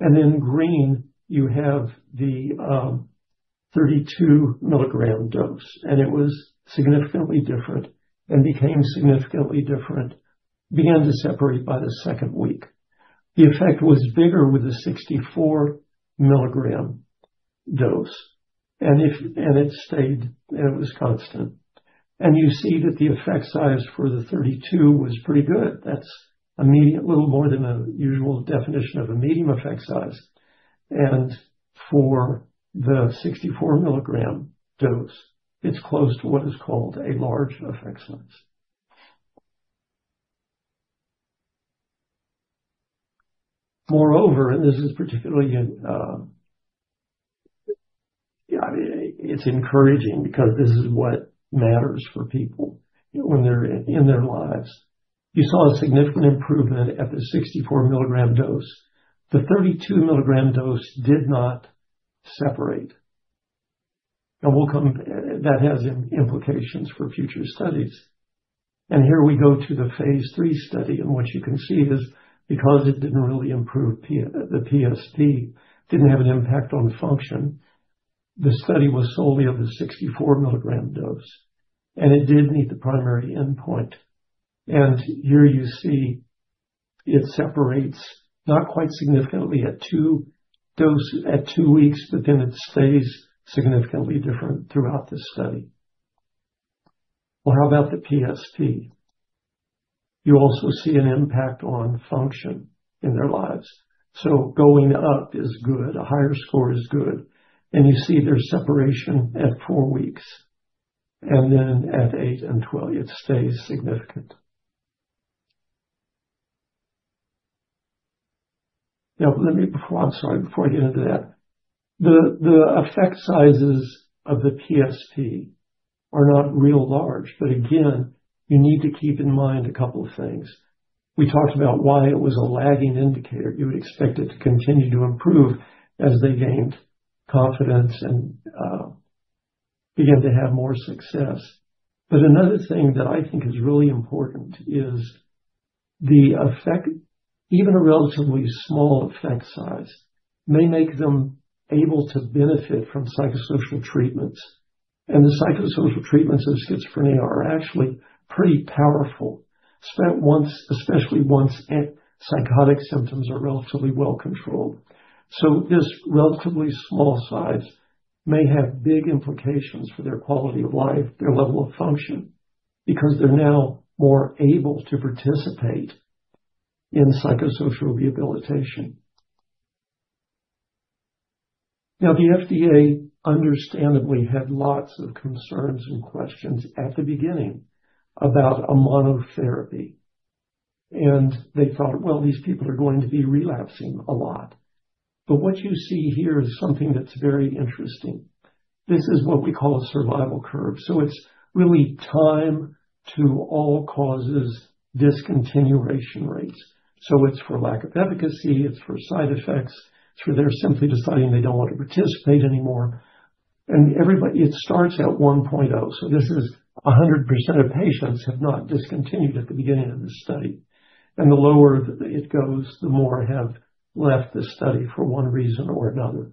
S4: and in green, you have the 32 mg dose, and it was significantly different and became significantly different, began to separate by the second week. The effect was bigger with the 64 mg dose, and it stayed, and it was constant. And you see that the effect size for the 32 mg was pretty good. That's immediate, little more than a usual definition of a medium effect size. And for the 64 mg dose, it's close to what is called a large effect size. Moreover, this is particularly, it's encouraging because this is what matters for people when they're in their lives. You saw a significant improvement at the 64 mg dose. The 32 mg dose did not separate, and we'll come, that has implications for future studies. And here we go to the phase III study, in which you can see this, because it didn't really improve the PSP, didn't have an impact on function. The study was solely of the 64-mg dose, and it did meet the primary endpoint. Here you see it separates, not quite significantly at two dose, at two weeks, but then it stays significantly different throughout this study. Well, how about the PSP? You also see an impact on function in their lives. Going up is good, a higher score is good, and you see there's separation at four weeks, and then at eight and 12, it stays significant. Now, I'm sorry, before I get into that, the effect sizes of the PSP are not real large, but again, you need to keep in mind a couple of things. We talked about why it was a lagging indicator. You would expect it to continue to improve as they gained confidence and began to have more success. But another thing that I think is really important is the effect, even a relatively small effect size, may make them able to benefit from psychosocial treatments. And the psychosocial treatments of schizophrenia are actually pretty powerful, especially once psychotic symptoms are relatively well controlled. So this relatively small size may have big implications for their quality of life, their level of function, because they're now more able to participate in psychosocial rehabilitation. Now, the FDA understandably had lots of concerns and questions at the beginning about a monotherapy, and they thought, "Well, these people are going to be relapsing a lot." But what you see here is something that's very interesting. This is what we call a survival curve, so it's really time to all-causes discontinuation rates. So it's for lack of efficacy, it's for side effects, it's for they're simply deciding they don't want to participate anymore. It starts at 1.0, so this is 100% of patients have not discontinued at the beginning of this study. And the lower it goes, the more have left the study for one reason or another.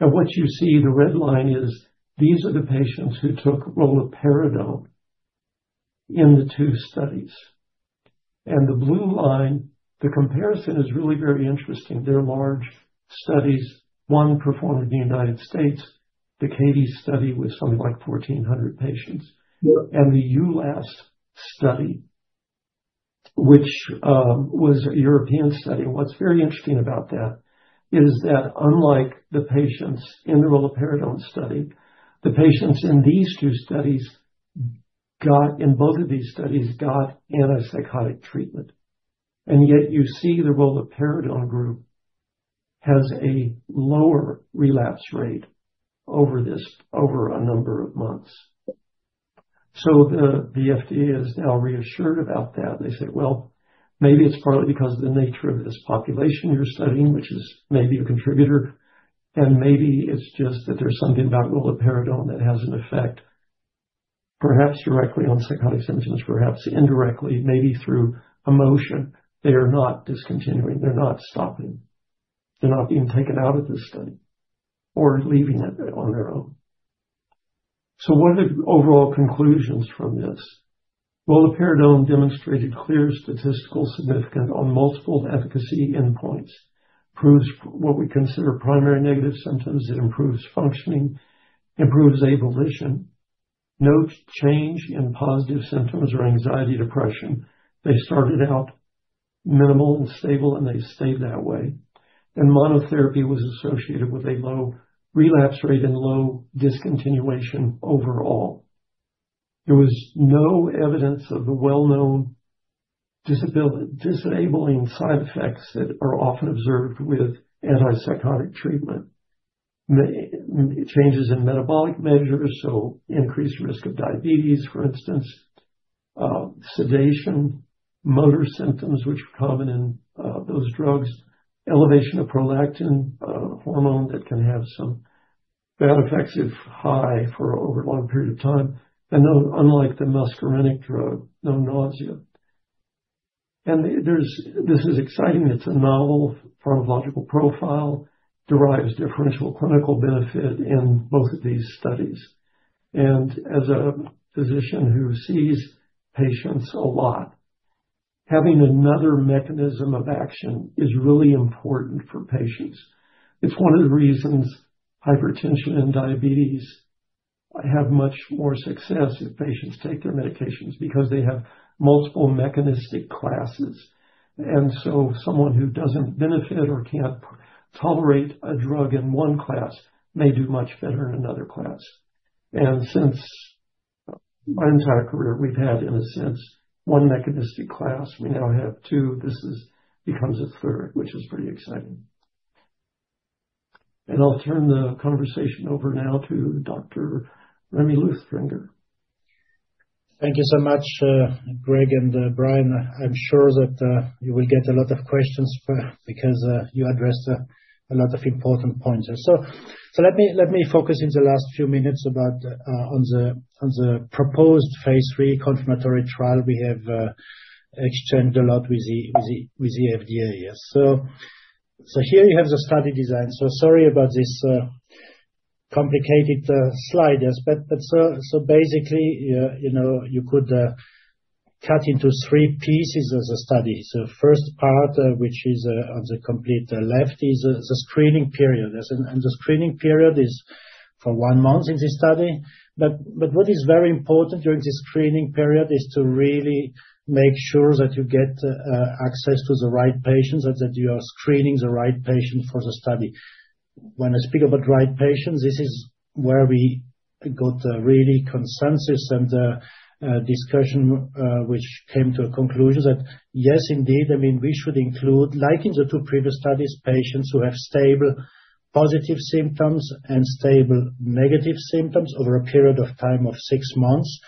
S4: Now, what you see, the red line is, these are the patients who took roluperidone in the two studies. And the blue line, the comparison is really very interesting. They're large studies, one performed in the United States, the CATIE study, with something like 1,400 patients. And the EULAST study, which was a European study. What's very interesting about that is that unlike the patients in the roluperidone study, the patients in these two studies got, in both of these studies, got antipsychotic treatment. Yet you see the roluperidone group has a lower relapse rate over this, over a number of months. So the FDA is now reassured about that. They said, "Well, maybe it's partly because of the nature of this population you're studying, which is maybe a contributor, and maybe it's just that there's something about roluperidone that has an effect, perhaps directly on psychotic symptoms, perhaps indirectly, maybe through emotion. They are not discontinuing. They're not stopping. They're not being taken out of this study or leaving it on their own." So what are the overall conclusions from this? Roluperidone demonstrated clear statistical significance on multiple efficacy endpoints. Improves what we consider primary negative symptoms. It improves functioning, improves avolition. No change in positive symptoms or anxiety, depression. They started out minimal and stable, and they stayed that way. Monotherapy was associated with a low relapse rate and low discontinuation overall. There was no evidence of the well-known disabling side effects that are often observed with antipsychotic treatment. Changes in metabolic measures, so increased risk of diabetes, for instance, sedation, motor symptoms, which are common in those drugs, elevation of prolactin, a hormone that can have some bad effects if high for over a long period of time, and no, unlike the muscarinic drug, no nausea. And this is exciting. It's a novel pharmacological profile, derives differential clinical benefit in both of these studies. And as a physician who sees patients a lot, having another mechanism of action is really important for patients. It's one of the reasons hypertension and diabetes have much more success if patients take their medications, because they have multiple mechanistic classes. And so someone who doesn't benefit or can't tolerate a drug in one class may do much better in another class. And since my entire career, we've had, in a sense, one mechanistic class, we now have two. This is, becomes a third, which is pretty exciting. And I'll turn the conversation over now to Dr. Rémy Luthringer.
S2: Thank you so much, Greg and Brian. I'm sure that you will get a lot of questions because you addressed a lot of important points. So let me focus in the last few minutes about on the proposed phase III confirmatory trial. We have exchanged a lot with the FDA, yes. So here you have the study design. So sorry about this complicated slide, yes, but so basically, you know, you could cut into three pieces of the study. So first part, which is on the complete left, is the screening period. And the screening period is for one month in this study. But what is very important during the screening period is to really make sure that you get access to the right patients and that you are screening the right patient for the study. When I speak about right patients, this is where we got really consensus and discussion, which came to a conclusion that, yes, indeed, I mean, we should include, like in the two previous studies, patients who have stable positive symptoms and stable negative symptoms over a period of time of six months,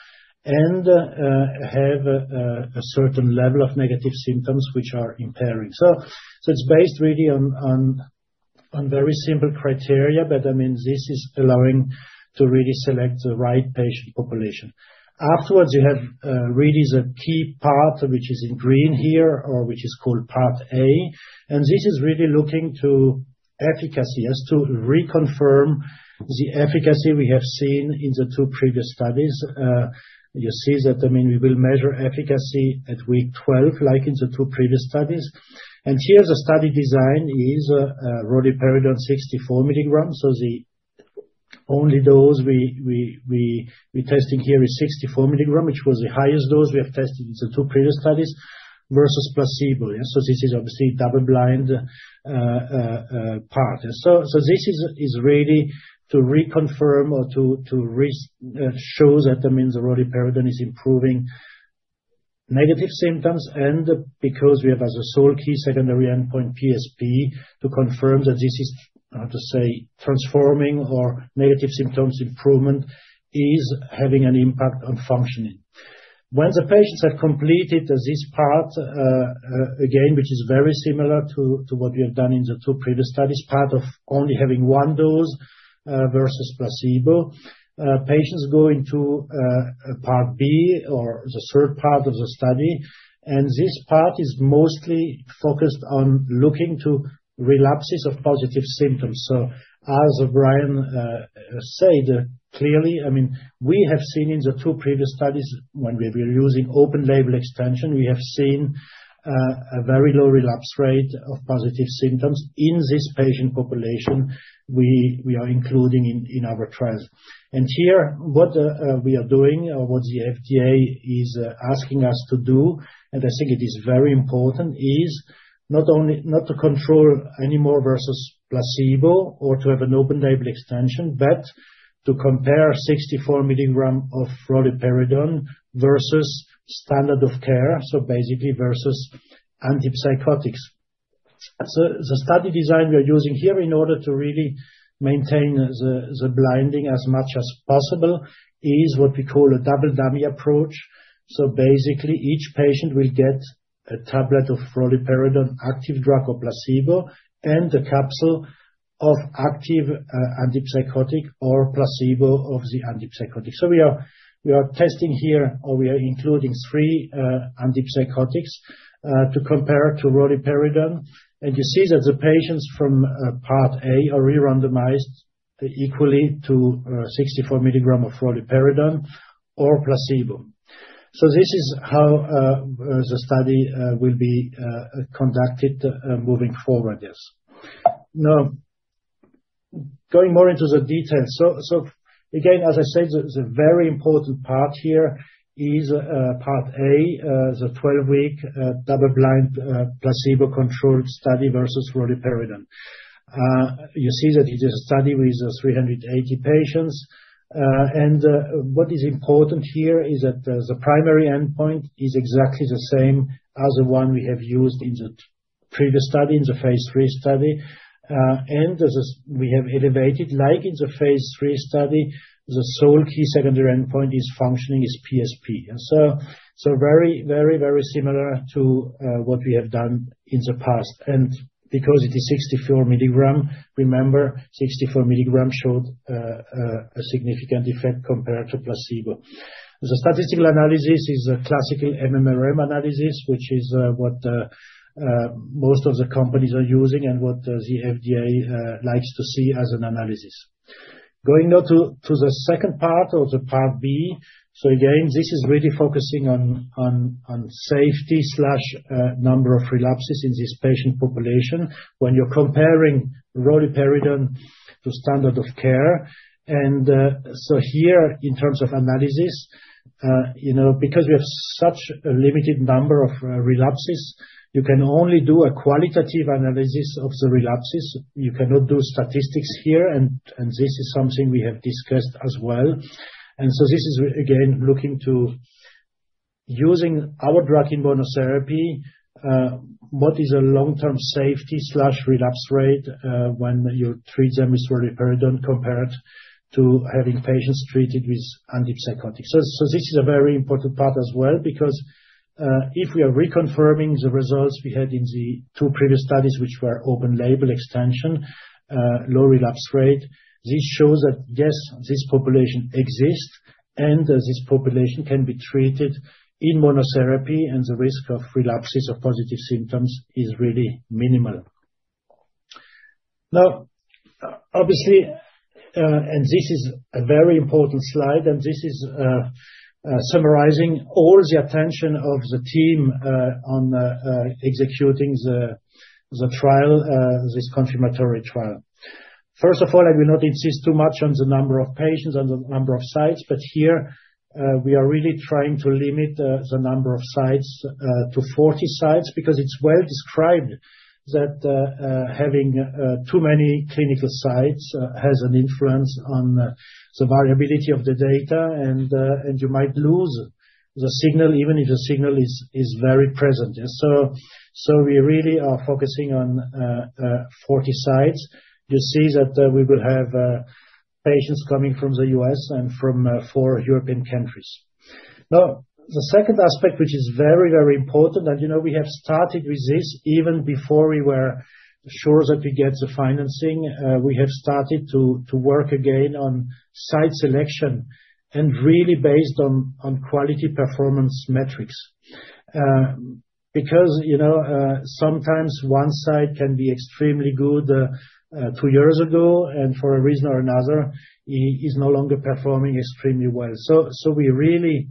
S2: and have a certain level of negative symptoms which are impairing. So it's based really on very simple criteria, but that means this is allowing to really select the right patient population. Afterwards, you have really the key part, which is in green here, or which is called Part A. This is really looking to efficacy, as to reconfirm the efficacy we have seen in the two previous studies. You see that, I mean, we will measure efficacy at week 12, like in the two previous studies. And here, the study design is roluperidone 64 mgs, so the only dose we testing here is 64 mg, which was the highest dose we have tested in the two previous studies, versus placebo. Yeah, so this is obviously double blind part. So this is really to reconfirm or to show that means the roluperidone is improving negative symptoms, and because we have as a sole key secondary endpoint PSP, to confirm that this is, how to say, transforming or negative symptoms improvement is having an impact on functioning. When the patients have completed this part, again, which is very similar to what we have done in the two previous studies, part of only having one dose versus placebo, patients go into part B, or the third part of the study. And this part is mostly focused on looking to relapses of positive symptoms. So as Brian said, clearly, I mean, we have seen in the two previous studies, when we were using open label extension, we have seen a very low relapse rate of positive symptoms in this patient population we are including in our trials. And here, what we are doing or what the FDA is asking us to do, and I think it is very important, is not only not to control anymore versus placebo or to have an open label extension, but to compare 64 mg of roluperidone versus standard of care, so basically versus antipsychotics. So the study design we are using here, in order to really maintain the blinding as much as possible, is what we call a double dummy approach. So basically, each patient will get a tablet of roluperidone, active drug or placebo, and a capsule of active antipsychotic or placebo of the antipsychotic. So we are testing here, or we are including three antipsychotics to compare to roluperidone. And you see that the patients from Part A are re-randomized equally to 64 mg of roluperidone or placebo. So this is how the study will be conducted moving forward, yes. Now, going more into the details. So again, as I said, the very important part here is part A, the 12-week double-blind placebo-controlled study versus roluperidone. You see that it is a study with 380 patients. And what is important here is that the primary endpoint is exactly the same as the one we have used in the previous study, in the phase III study. And as this, we have elevated, like in the phase III study, the sole key secondary endpoint is functioning, is PSP. And so very, very, very similar to what we have done in the past. Because it is 64 mg, remember, 64 mg showed a significant effect compared to placebo. The statistical analysis is a classical MMRM analysis, which is what most of the companies are using and what the FDA likes to see as an analysis. Going now to the second part, or the part B. So again, this is really focusing on safety slash number of relapses in this patient population when you're comparing roluperidone to standard of care. And so here, in terms of analysis, you know, because we have such a limited number of relapses, you can only do a qualitative analysis of the relapses. You cannot do statistics here, and this is something we have discussed as well. And so this is, again, looking to using our drug in monotherapy, what is a long-term safety slash relapse rate, when you treat them with roluperidone, compared to having patients treated with antipsychotics? So, so this is a very important part as well, because, if we are reconfirming the results we had in the two previous studies, which were open-label extension, low relapse rate, this shows that, yes, this population exists, and this population can be treated in monotherapy, and the risk of relapses of positive symptoms is really minimal. Now, obviously, and this is a very important slide, and this is, summarizing all the attention of the team, on the executing the trial, this confirmatory trial. First of all, I will not insist too much on the number of patients and the number of sites, but here, we are really trying to limit the number of sites to 40 sites, because it's well described that having too many clinical sites has an influence on the variability of the data, and you might lose the signal, even if the signal is very present. So we really are focusing on 40 sites. You see that we will have patients coming from the U.S. and from four European countries. Now, the second aspect, which is very, very important, and, you know, we have started with this even before we were sure that we get the financing, we have started to work again on site selection, and really based on quality performance metrics. Because, you know, sometimes one site can be extremely good two years ago, and for a reason or another, is no longer performing extremely well. So we really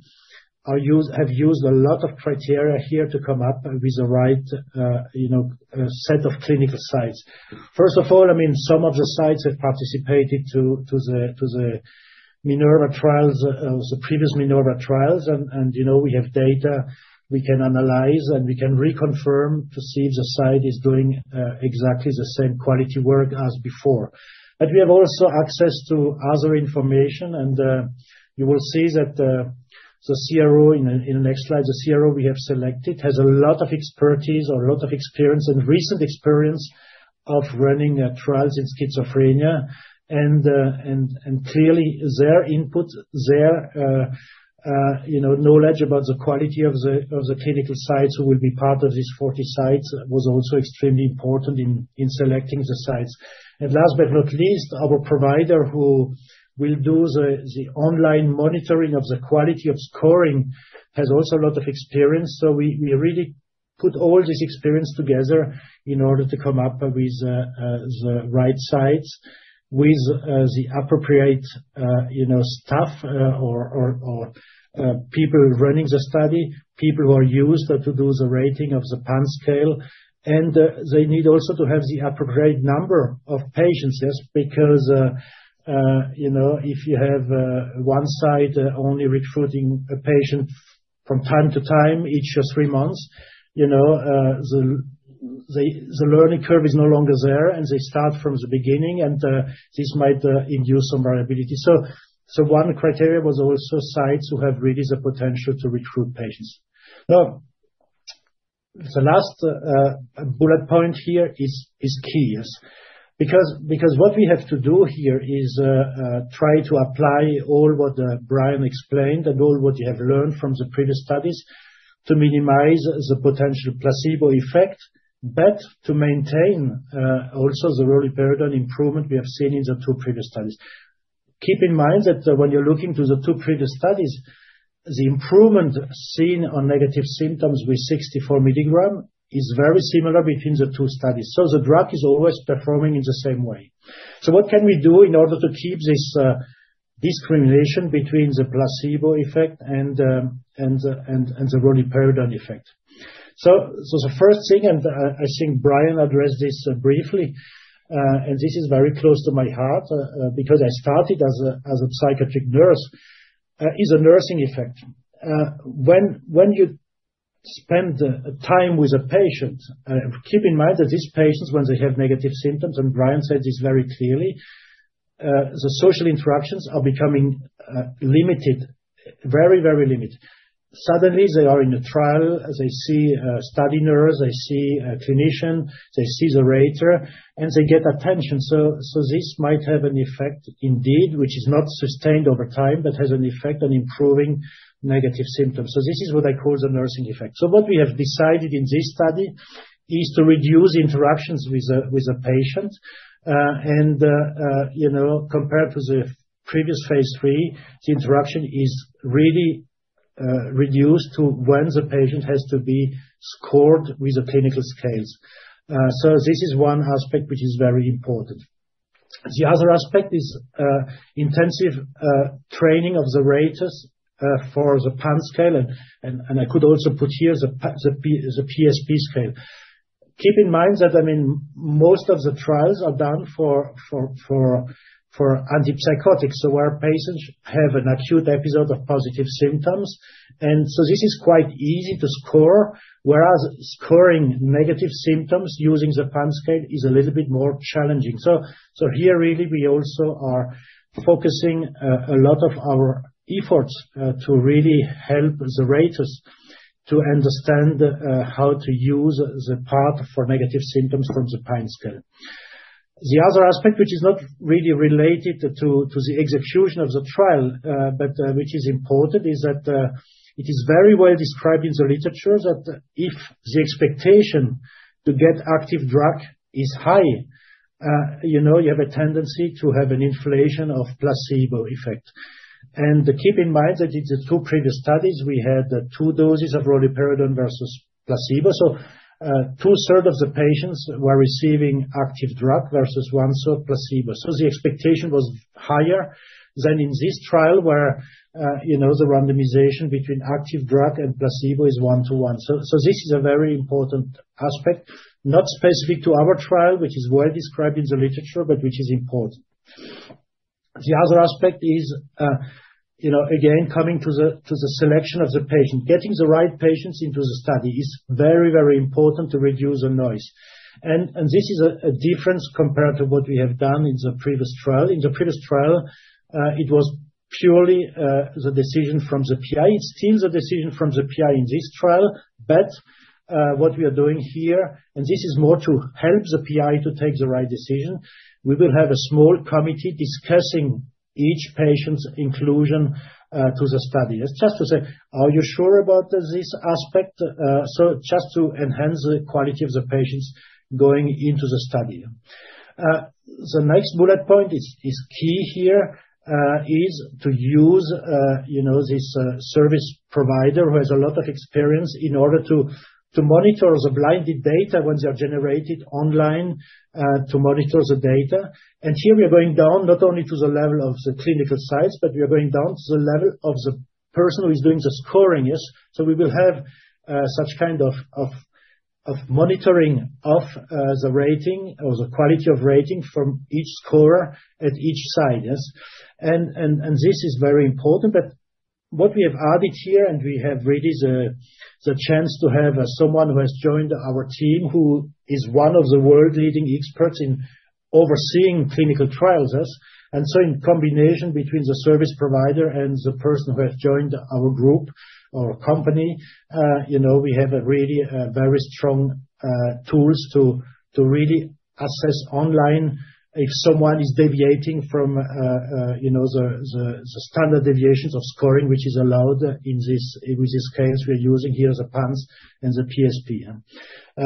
S2: have used a lot of criteria here to come up with the right, you know, set of clinical sites. First of all, I mean, some of the sites have participated to the Minerva trials, the previous Minerva trials, and, you know, we have data we can analyze, and we can reconfirm to see if the site is doing exactly the same quality work as before. But we have also access to other information, and you will see that the CRO in the next slide, the CRO we have selected has a lot of expertise or a lot of experience, and recent experience of running trials in schizophrenia. And clearly, their input, you know, knowledge about the quality of the clinical sites will be part of these 40 sites, was also extremely important in selecting the sites. And last but not least, our provider, who will do the online monitoring of the quality of scoring, has also a lot of experience. So we really put all this experience together in order to come up with the right sites with the appropriate, you know, staff, or people running the study, people who are used to do the rating of the PANSS scale. And they need also to have the appropriate number of patients, yes, because you know, if you have one site only recruiting a patient from time to time, each just three months, you know, the learning curve is no longer there, and they start from the beginning, and this might induce some variability. So, one criterion was also sites who have really the potential to recruit patients. Now, the last bullet point here is key, yes. Because what we have to do here is try to apply all what Brian explained and all what you have learned from the previous studies to minimize the potential placebo effect, but to maintain also the roluperidone improvement we have seen in the two previous studies. Keep in mind that when you're looking to the two previous studies, the improvement seen on negative symptoms with 64 mg is very similar between the two studies, so the drug is always performing in the same way. So what can we do in order to keep this discrimination between the placebo effect and the roluperidone effect? So the first thing, and I think Brian addressed this briefly, and this is very close to my heart, because I started as a psychiatric nurse, is a nursing effect. When you spend time with a patient, keep in mind that these patients, when they have negative symptoms, and Brian said this very clearly, the social interactions are becoming limited, very, very limited. Suddenly, they are in a trial, they see a study nurse, they see a clinician, they see the rater, and they get attention. So this might have an effect indeed, which is not sustained over time, but has an effect on improving negative symptoms. So this is what I call the nursing effect. So what we have decided in this study is to reduce interactions with the patient. You know, compared to the previous phase III, the interaction is really reduced to when the patient has to be scored with the clinical scales. So this is one aspect which is very important. The other aspect is intensive training of the raters for the PANSS scale, and I could also put here the PSP scale. Keep in mind that, I mean, most of the trials are done for antipsychotics, so where patients have an acute episode of positive symptoms, and so this is quite easy to score, whereas scoring negative symptoms using the PANSS scale is a little bit more challenging. So here, really, we also are focusing a lot of our efforts to really help the raters to understand how to use the part for negative symptoms from the PANSS scale. The other aspect, which is not really related to the execution of the trial, but which is important, is that it is very well described in the literature that if the expectation to get active drug is high, you know, you have a tendency to have an inflation of placebo effect. And keep in mind that in the two previous studies, we had two doses of roluperidone versus placebo. So 2/3 of the patients were receiving active drug versus 1/3 placebo. So the expectation was higher than in this trial, where you know, the randomization between active drug and placebo is 1 to 1. So this is a very important aspect, not specific to our trial, which is well described in the literature, but which is important. The other aspect is, you know, again, coming to the selection of the patient. Getting the right patients into the study is very, very important to reduce the noise. And this is a difference compared to what we have done in the previous trial. In the previous trial, it was purely the decision from the PI. It's still the decision from the PI in this trial, but what we are doing here, and this is more to help the PI to take the right decision, we will have a small committee discussing each patient's inclusion to the study. It's just to say: Are you sure about this aspect? So just to enhance the quality of the patients going into the study. The next bullet point is key here, is to use, you know, this service provider, who has a lot of experience, in order to monitor the blinded data once they are generated online, to monitor the data. And here, we are going down not only to the level of the clinical sites, but we are going down to the level of the person who is doing the scoring, yes. So we will have such kind of monitoring of the rating or the quality of rating from each scorer at each site, yes? This is very important, but what we have added here, and we have really the chance to have someone who has joined our team, who is one of the world-leading experts in overseeing clinical trials, yes. And so in combination between the service provider and the person who has joined our group or company, you know, we have a really very strong tools to really assess online if someone is deviating from the standard deviations of scoring, which is allowed in this, in which case we are using here the PANSS and the PSP.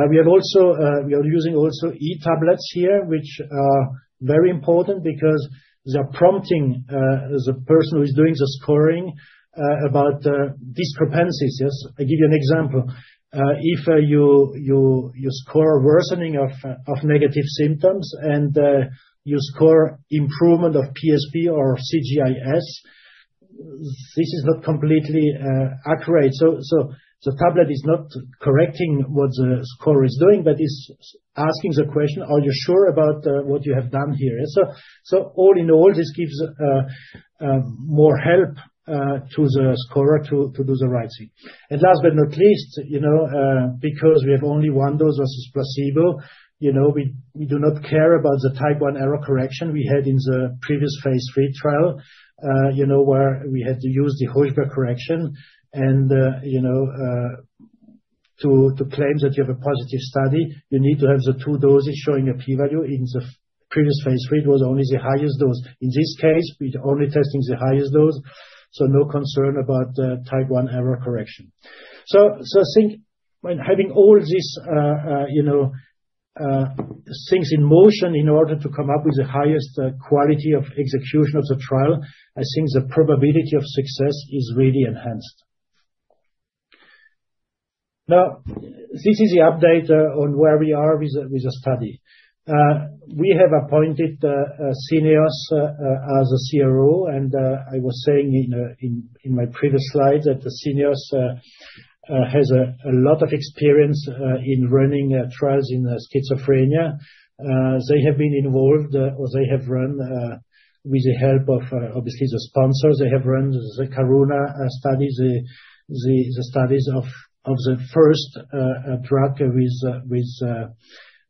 S2: We have also, we are using also e-tablets here, which are very important because they are prompting the person who is doing the scoring about discrepancies, yes. I'll give you an example. If you score worsening of negative symptoms and you score improvement of PSP or CGI-S, this is not completely accurate. So the tablet is not correcting what the scorer is doing, but is asking the question, "Are you sure about what you have done here?" So all in all, this gives more help to the scorer to do the right thing. And last but not least, you know, because we have only one dose versus placebo, you know, we do not care about the type one error correction we had in the previous phase III trial, you know, where we had to use the Holm-Bonferroni correction. And you know, to claim that you have a positive study, you need to have the two doses showing a p-value. In the previous phase III, it was only the highest dose. In this case, we're only testing the highest dose, so no concern about the type one error correction. So, I think when having all these, you know, things in motion in order to come up with the highest quality of execution of the trial, I think the probability of success is really enhanced. Now, this is the update on where we are with the study. We have appointed Syneos as a CRO, and I was saying in my previous slide, that Syneos has a lot of experience in running trials in schizophrenia. They have been involved, or they have run, with the help of, obviously the sponsors, they have run the Karuna study, the studies of the first drug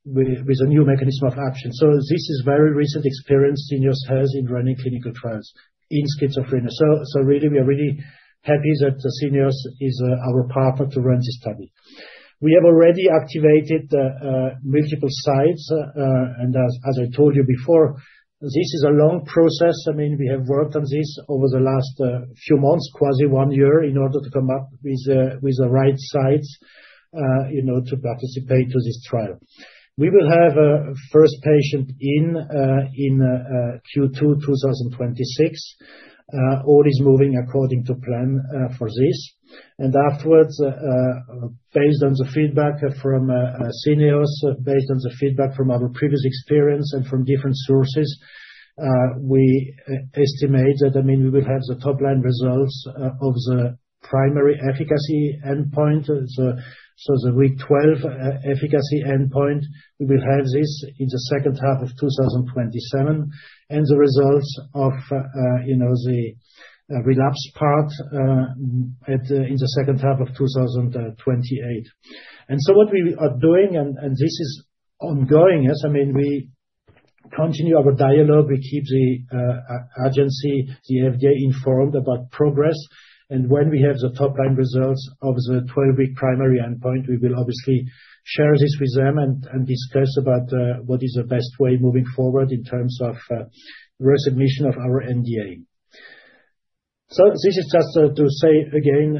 S2: with a new mechanism of action. So this is very recent experience Syneos has in running clinical trials in schizophrenia. So really, we are really happy that Syneos is our partner to run this study. We have already activated multiple sites, and as I told you before, this is a long process. I mean, we have worked on this over the last few months, quasi one year, in order to come up with the right sites, you know, to participate to this trial. We will have a first patient in Q2 2026. All is moving according to plan for this. And afterwards, based on the feedback from Syneos, based on the feedback from our previous experience and from different sources, we estimate that, I mean, we will have the top-line results of the primary efficacy endpoint, the... So the week 12 efficacy endpoint, we will have this in the second half of 2027, and the results of, you know, the relapse part, in the second half of 2028. And so what we are doing, and this is ongoing, yes, I mean, we continue our dialogue. We keep the a-agency, the FDA, informed about progress, and when we have the top-line results of the 12-week primary endpoint, we will obviously share this with them and discuss about what is the best way moving forward in terms of resubmission of our NDA. So this is just to say, again,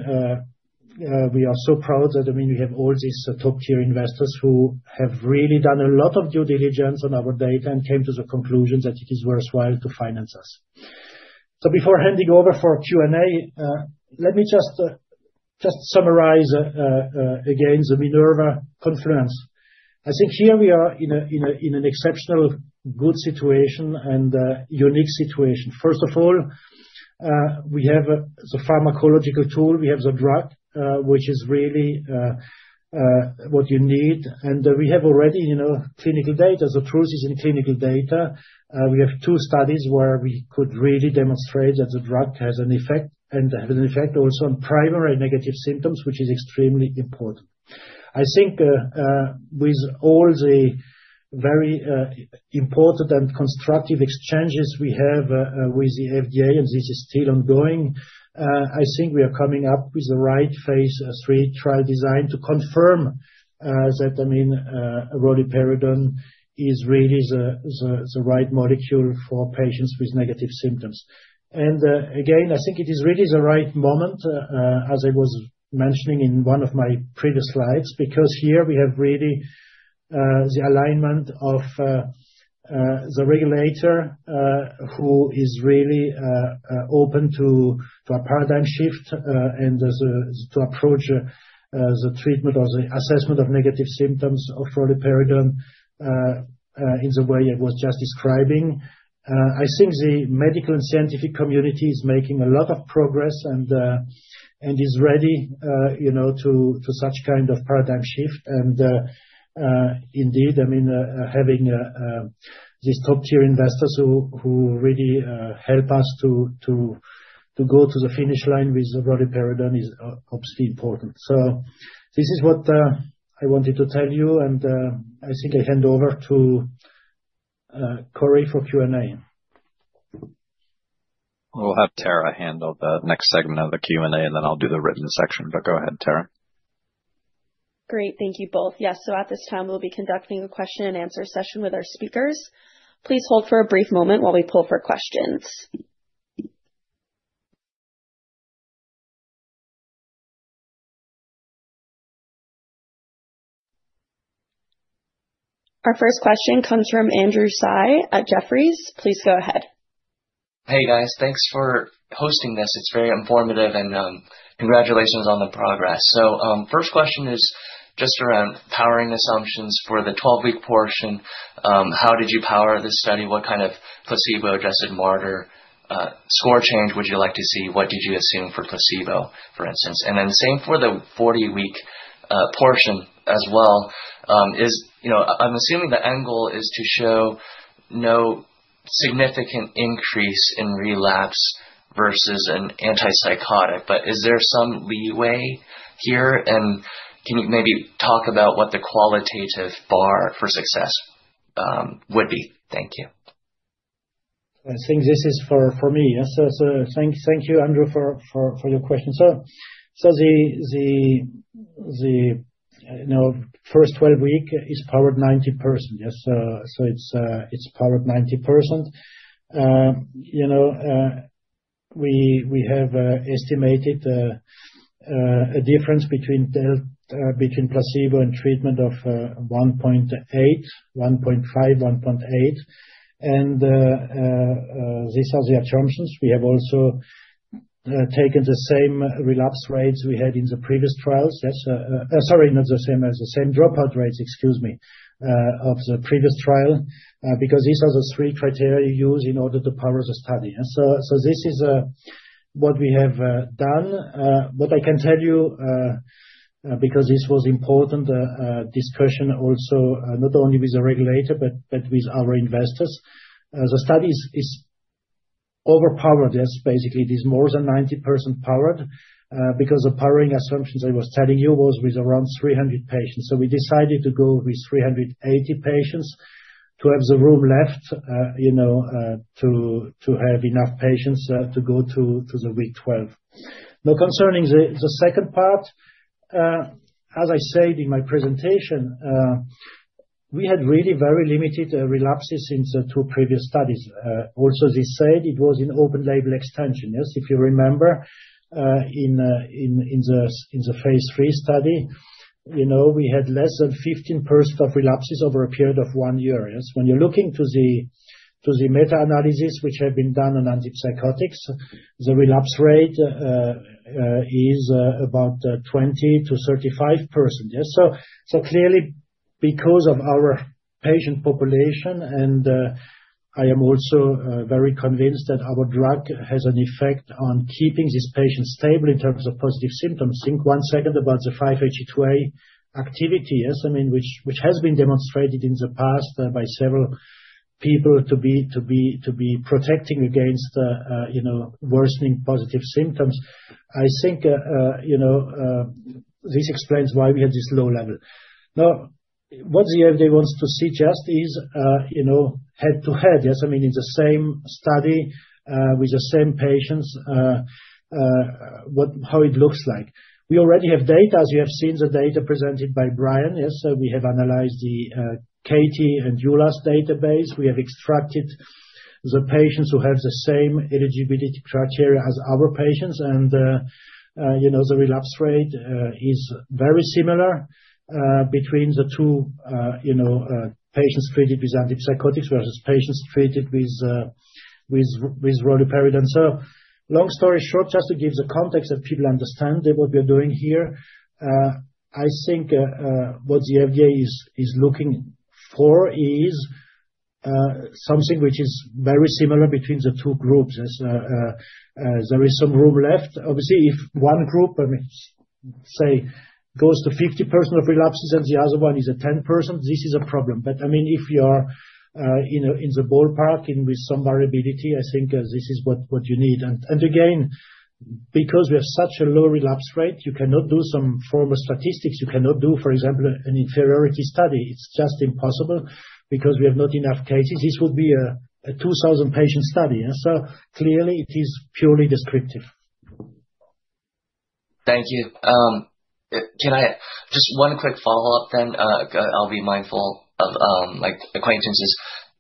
S2: we are so proud that, I mean, we have all these top-tier investors who have really done a lot of due diligence on our data and came to the conclusion that it is worthwhile to finance us. So before handing over for Q&A, let me just just summarize again, the Minerva confluence. I think here we are in a, in a, in an exceptional good situation and unique situation. First of all, we have the pharmacological tool, we have the drug, which is really what you need. And we have already, you know, clinical data, the truth is in clinical data. We have two studies where we could really demonstrate that the drug has an effect, and has an effect also on primary negative symptoms, which is extremely important. I think, with all the very important and constructive exchanges we have with the FDA, and this is still ongoing, I think we are coming up with the right phase III trial design to confirm that, I mean, roluperidone is really the right molecule for patients with negative symptoms. Again, I think it is really the right moment, as I was mentioning in one of my previous slides, because here we have really the alignment of the regulator, who is really open to a paradigm shift, and to approach the treatment or the assessment of negative symptoms of roluperidone in the way I was just describing. I think the medical and scientific community is making a lot of progress, and is ready, you know, to such kind of paradigm shift. And indeed, I mean, having these top-tier investors who really help us to go to the finish line with roluperidone is obviously important. This is what I wanted to tell you, and I think I hand over to Corey for Q&A.
S5: We'll have Tara handle the next segment of the Q&A, and then I'll do the written section. But go ahead, Tara.
S1: Great. Thank you both. Yes, so at this time, we'll be conducting a question and answer session with our speakers. Please hold for a brief moment while we pull for questions. Our first question comes from Andrew Tsai at Jefferies. Please go ahead.
S6: Hey, guys. Thanks for hosting this. It's very informative, and congratulations on the progress. So, first question is just around powering assumptions for the 12-week portion. How did you power this study? What kind of placebo-adjusted Marder score change would you like to see? What did you assume for placebo, for instance? And then the same for the 40-week portion as well. You know, I'm assuming the end goal is to show no significant increase in relapse versus an antipsychotic, but is there some leeway here? And can you maybe talk about what the qualitative bar for success would be? Thank you.
S2: I think this is for me. Yes, so thank you, Andrew, for your question. So, you know, the first 12-week is powered 90%, yes. So it's powered 90%. You know, we have estimated a difference between placebo and treatment of 1.8, 1.5, 1.8. And these are the assumptions. We have also taken the same relapse rates we had in the previous trials. Sorry, not the same as, the same dropout rates, excuse me, of the previous trial. Because these are the three criteria used in order to power the study. So this is what we have done. What I can tell you, because this was important discussion also, not only with the regulator, but with our investors. The study is overpowered, yes. Basically, it is more than 90% powered, because the powering assumptions I was telling you was with around 300 patients. So we decided to go with 380 patients to have the room left, you know, to have enough patients to go to the week 12. Now, concerning the second part, as I said in my presentation, we had really very limited relapses in the two previous studies. Also this said, it was an open label extension, yes. If you remember, in the phase III study, you know, we had less than 15% of relapses over a period of one year, yes. When you're looking to the meta-analysis which have been done on antipsychotics, the relapse rate is about 20%-35%. Yeah, so clearly, because of our patient population, and I am also very convinced that our drug has an effect on keeping these patients stable in terms of positive symptoms. Think one second about the in vitro activity, yes, I mean, which has been demonstrated in the past by several people to be protecting against, you know, worsening positive symptoms. I think, you know, this explains why we have this low level. Now, what the FDA wants to see just is, you know, head-to-head, yes? I mean, in the same study, with the same patients, how it looks like. We already have data, as you have seen the data presented by Brian. Yes, so we have analyzed the CATIE and EULAST database. We have extracted the patients who have the same eligibility criteria as our patients, and, you know, the relapse rate is very similar between the two, you know, patients treated with antipsychotics versus patients treated with roluperidone. So long story short, just to give the context that people understand that what we are doing here, I think what the FDA is looking for is something which is very similar between the two groups. As there is some room left. Obviously, if one group, I mean, say, goes to 50% of relapses and the other one is at 10%, this is a problem. But, I mean, if you are, you know, in the ballpark and with some variability, I think this is what you need. And again, because we have such a low relapse rate, you cannot do some form of statistics. You cannot do, for example, an inferiority study. It's just impossible, because we have not enough cases. This would be a 2,000 patient study, and so clearly it is purely descriptive.
S6: Thank you. Can I just one quick follow-up, then, I'll be mindful of, like, acquaintances.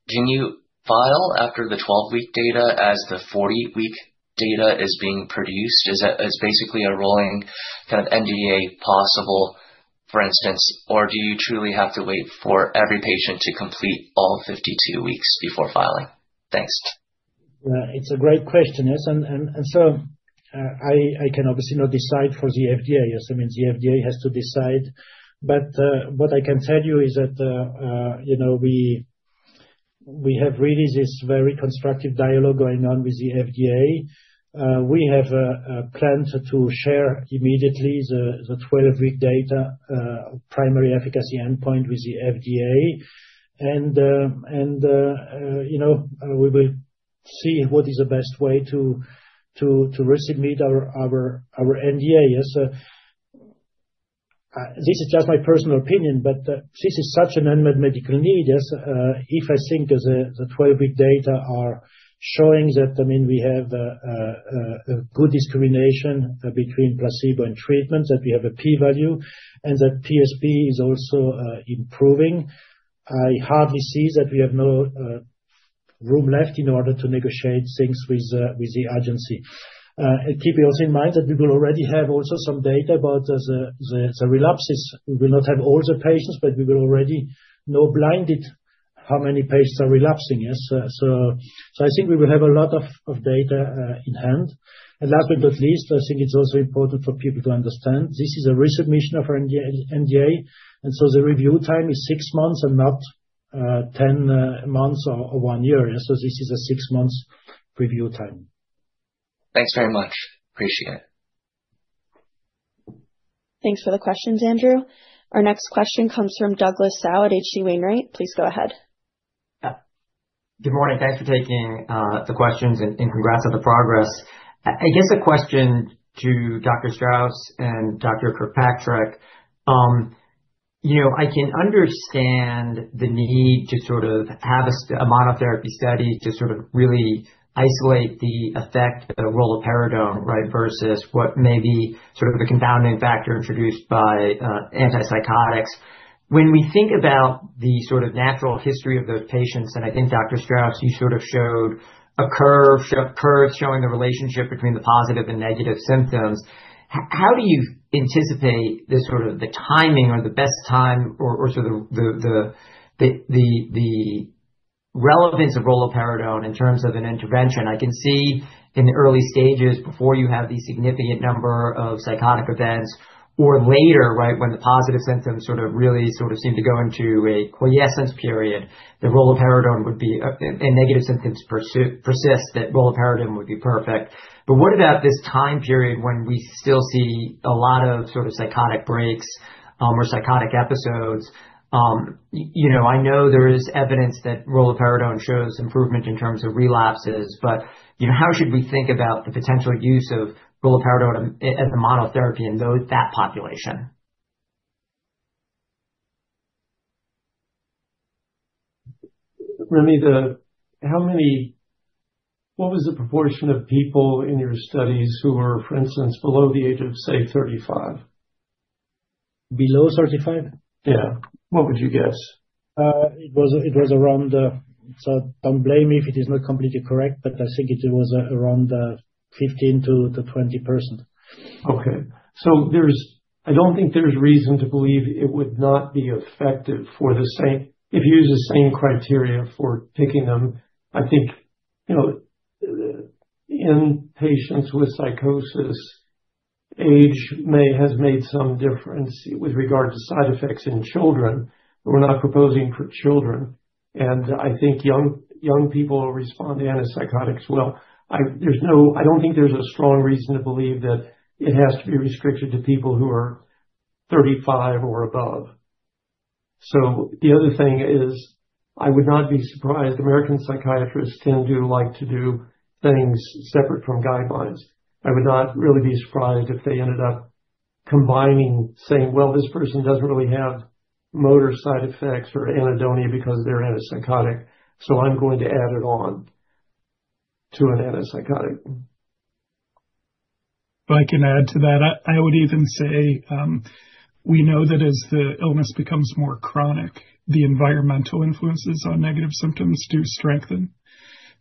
S6: Can you file after the 12-week data as the 40-week data is being produced? Is that basically a rolling kind of NDA possible, for instance, or do you truly have to wait for every patient to complete all 52 weeks before filing? Thanks.
S2: It's a great question, yes, and so I can obviously not decide for the FDA. Yes, I mean, the FDA has to decide. But what I can tell you is that you know, we have really this very constructive dialogue going on with the FDA. We have a plan to share immediately the 12-week data, primary efficacy endpoint with the FDA. And you know, we will see what is the best way to resubmit our NDA. Yes, this is just my personal opinion, but, this is such an unmet medical need, yes, if I think the 12-week data are showing that, I mean, we have a good discrimination between placebo and treatment, that we have a P value, and that PSP is also improving. I hardly see that we have no room left in order to negotiate things with the agency. And keep also in mind that we will already have also some data about the relapses. We will not have all the patients, but we will already know, blinded, how many patients are relapsing. Yes, so I think we will have a lot of data in hand. And last but not least, I think it's also important for people to understand this is a resubmission of our NDA, and so the review time is six months and not 10 months or one year. So this is a six-months review time.
S6: Thanks very much. Appreciate it.
S1: Thanks for the questions, Andrew. Our next question comes from Douglas Tsao at H.C. Wainwright. Please go ahead.
S7: Good morning. Thanks for taking the questions and congrats on the progress. I guess a question to Dr. Strauss and Dr. Kirkpatrick. You know, I can understand the need to sort of have a monotherapy study to sort of really isolate the effect of roluperidone, right? Versus what may be sort of the confounding factor introduced by antipsychotics. When we think about the sort of natural history of those patients, and I think Dr. Strauss, you sort of showed a curve showing the relationship between the positive and negative symptoms. How do you anticipate the timing or the best time or sort of the relevance of roluperidone in terms of an intervention? I can see in the early stages before you have the significant number of psychotic events or later, right, when the positive symptoms sort of really sort of seem to go into a quiescence period, the roluperidone would be a and negative symptoms persist, that roluperidone would be perfect. But what about this time period when we still see a lot of sort of psychotic breaks, or psychotic episodes? You know, I know there is evidence that roluperidone shows improvement in terms of relapses, but, you know, how should we think about the potential use of roluperidone as a monotherapy in those, that population?
S4: What was the proportion of people in your studies who were, for instance, below the age of, say, 35?
S2: Below 35?
S4: Yeah. What would you guess?
S2: It was around, so don't blame me if it is not completely correct, but I think it was around 15%-20%.
S4: Okay. I don't think there's reason to believe it would not be effective for the same if you use the same criteria for picking them. I think, you know, in patients with psychosis, age may, has made some difference with regard to side effects in children, but we're not proposing for children, and I think young, young people respond to antipsychotics well. I don't think there's a strong reason to believe that it has to be restricted to people who are thirty-five or above. So the other thing is, I would not be surprised. American psychiatrists tend to like to do things separate from guidelines. I would not really be surprised if they ended up combining, saying: Well, this person doesn't really have motor side effects or anhedonia because they're antipsychotic, so I'm going to add it on to an antipsychotic.
S3: Well, I can add to that. I would even say we know that as the illness becomes more chronic, the environmental influences on negative symptoms do strengthen.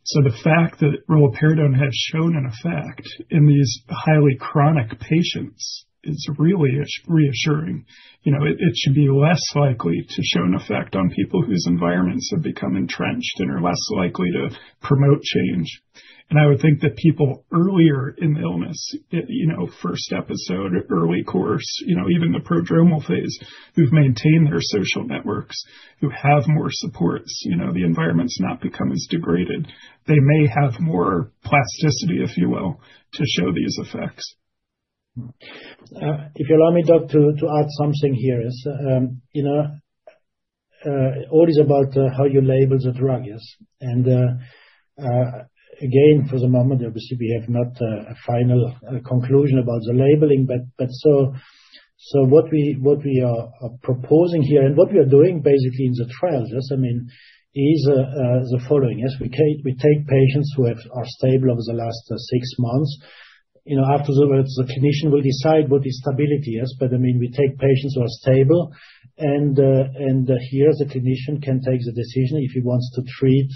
S3: So the fact that roluperidone has shown an effect in these highly chronic patients is really as reassuring. You know, it should be less likely to show an effect on people whose environments have become entrenched and are less likely to promote change. And I would think that people earlier in the illness, you know, first episode, early course, you know, even the prodromal phase, who've maintained their social networks, who have more supports, you know, the environment's not become as degraded. They may have more plasticity, if you will, to show these effects.
S2: If you allow me, Doug, to add something here. You know, all is about how you label the drug, yes? And again, for the moment, obviously, we have not a final conclusion about the labeling, but so what we are proposing here and what we are doing basically in the trial, yes, I mean, is the following, yes: We take patients who are stable over the last six months. You know, afterwards, the clinician will decide what is stability, yes, but, I mean, we take patients who are stable, and here, the clinician can take the decision if he wants to treat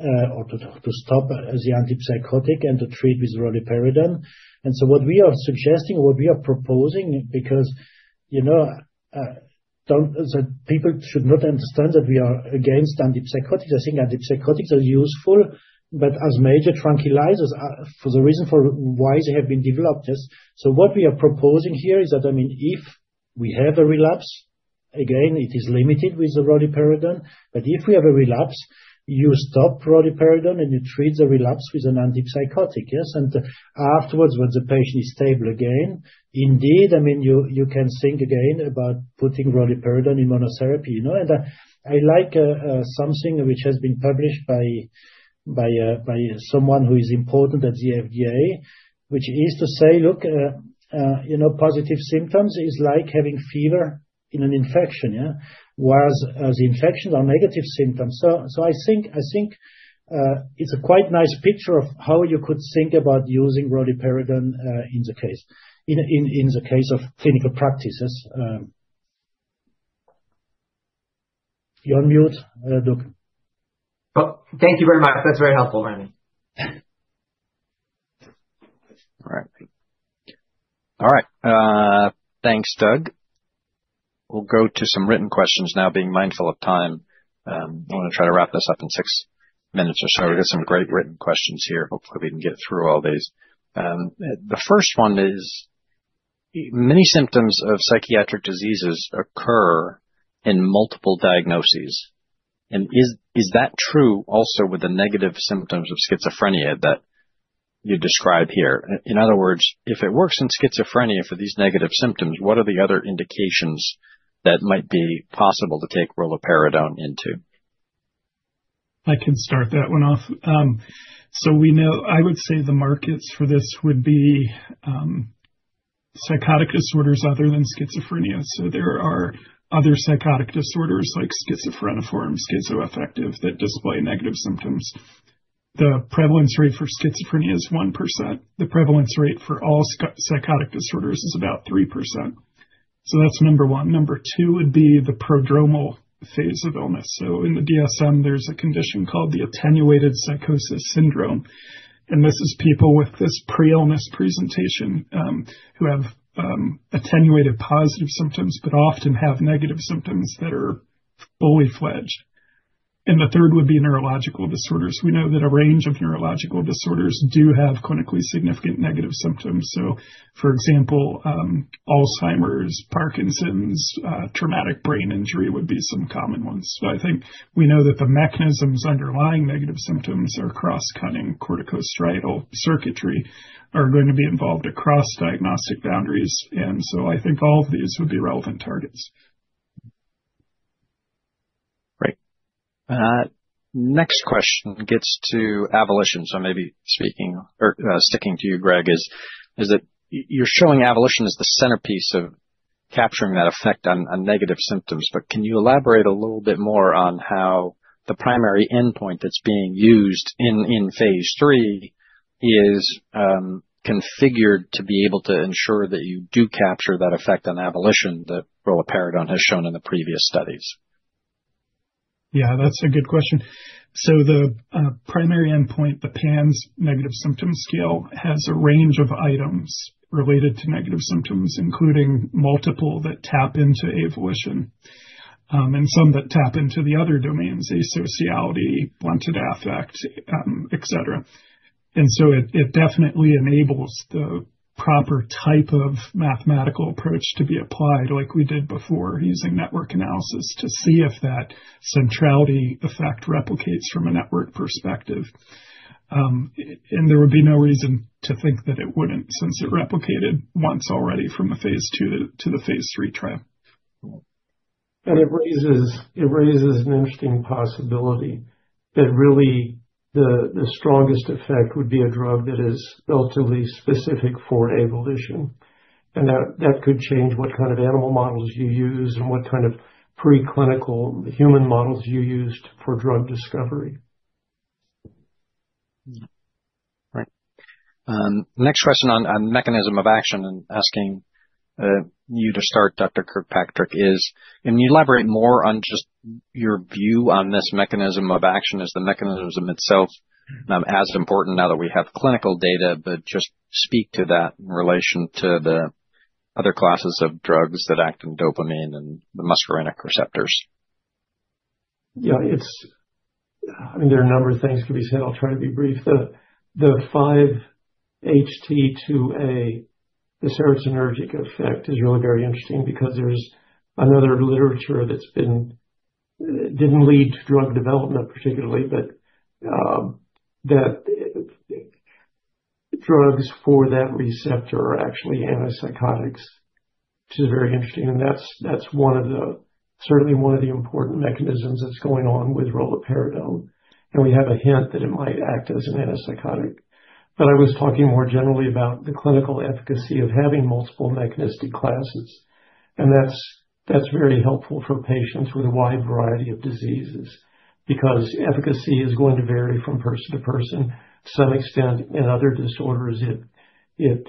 S2: or to stop the antipsychotic and to treat with roluperidone. And so what we are suggesting, or what we are proposing, because, you know, the people should not understand that we are against antipsychotics. I think antipsychotics are useful, but as major tranquilizers, for the reason for why they have been developed, yes? So what we are proposing here is that, I mean, if we have a relapse, again, it is limited with the roluperidone, but if we have a relapse, you stop roluperidone, and you treat the relapse with an antipsychotic, yes? And afterwards, when the patient is stable again, indeed, I mean, you can think again about putting roluperidone in monotherapy, you know? And, I like, something which has been published by someone who is important at the FDA, which is to say, "Look, you know, positive symptoms is like having fever in an infection, yeah? Whereas, the deficits are negative symptoms. So I think it's a quite nice picture of how you could think about using roluperidone in the case, in the case of clinical practices. You're on mute, Doug.
S7: Well, thank you very much. That's very helpful, Rémy.
S5: All right. All right, thanks, Doug. We'll go to some written questions now, being mindful of time. I want to try to wrap this up in six minutes or so. We've got some great written questions here. Hopefully, we can get through all these. The first one is, many symptoms of psychiatric diseases occur in multiple diagnoses, and is, is that true also with the negative symptoms of schizophrenia that you describe here? In other words, if it works in schizophrenia for these negative symptoms, what are the other indications that might be possible to take roluperidone into?
S3: I can start that one off. So we know... I would say the markets for this would be, psychotic disorders other than schizophrenia. So there are other psychotic disorders, like schizophreniform, schizoaffective, that display negative symptoms. The prevalence rate for schizophrenia is 1%. The prevalence rate for all psychotic disorders is about 3%. So that's number one. Number two would be the prodromal phase of illness. So in the DSM, there's a condition called the attenuated psychosis syndrome, and this is people with this pre-illness presentation, who have, attenuated positive symptoms, but often have negative symptoms that are fully fledged. And the third would be neurological disorders. We know that a range of neurological disorders do have clinically significant negative symptoms. So, for example, Alzheimer's, Parkinson's, traumatic brain injury would be some common ones. So I think we know that the mechanisms underlying negative symptoms are cross-cutting corticostriatal circuitry are going to be involved across diagnostic boundaries, and so I think all of these would be relevant targets.
S5: Great. Next question gets to avolition. So maybe sticking to you, Greg, is that you're showing avolition as the centerpiece of capturing that effect on negative symptoms. But can you elaborate a little bit more on how the primary endpoint that's being used in phase III is configured to be able to ensure that you do capture that effect on avolition that roluperidone has shown in the previous studies?
S3: Yeah, that's a good question. So the primary endpoint, the PANSS Negative Symptom Scale, has a range of items related to negative symptoms, including multiple that tap into avolition, and some that tap into the other domains, asociality, blunted affect, et cetera. And so it definitely enables the proper type of mathematical approach to be applied, like we did before, using network analysis, to see if that centrality effect replicates from a network perspective. And there would be no reason to think that it wouldn't, since it replicated once already from the phase II to the phase III trial.
S4: It raises an interesting possibility that really the strongest effect would be a drug that is relatively specific for avolition, and that could change what kind of animal models you use and what kind of preclinical human models you used for drug discovery.
S5: Yeah, right. Next question on mechanism of action, and asking you to start, Dr. Kirkpatrick, is can you elaborate more on just your view on this mechanism of action as the mechanism itself, as important now that we have clinical data, but just speak to that in relation to the other classes of drugs that act in dopamine and the muscarinic receptors?
S4: Yeah, it's, I mean, there are a number of things can be said. I'll try to be brief. The, the 5-HT2A, the serotonergic effect, is really very interesting, because there's another literature that's been, didn't lead to drug development particularly, but, that, drugs for that receptor are actually antipsychotics, which is very interesting, and that's, that's one of the- certainly one of the important mechanisms that's going on with roluperidone. And we have a hint that it might act as an antipsychotic. But I was talking more generally about the clinical efficacy of having multiple mechanistic classes, and that's, that's very helpful for patients with a wide variety of diseases, because efficacy is going to vary from person to person, to some extent. In other disorders, it, it,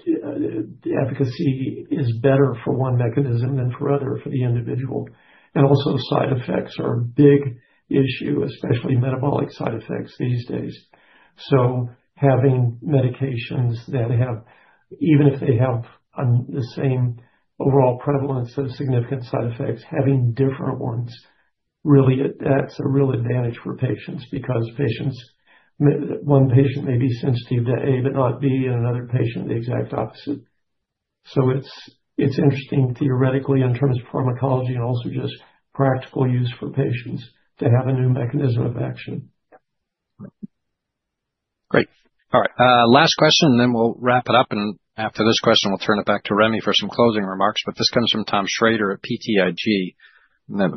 S4: the efficacy is better for one mechanism than for other, for the individual. And also, side effects are a big issue, especially metabolic side effects these days. So having medications that have... even if they have the same overall prevalence of significant side effects, having different ones, really, that's a real advantage for patients, because patients, one patient may be sensitive to A but not B, and another patient, the exact opposite. So it's interesting theoretically, in terms of pharmacology and also just practical use for patients to have a new mechanism of action.
S5: Great. All right, last question, and then we'll wrap it up, and after this question, we'll turn it back to Rémy for some closing remarks. But this comes from Tom Schrader at BTIG,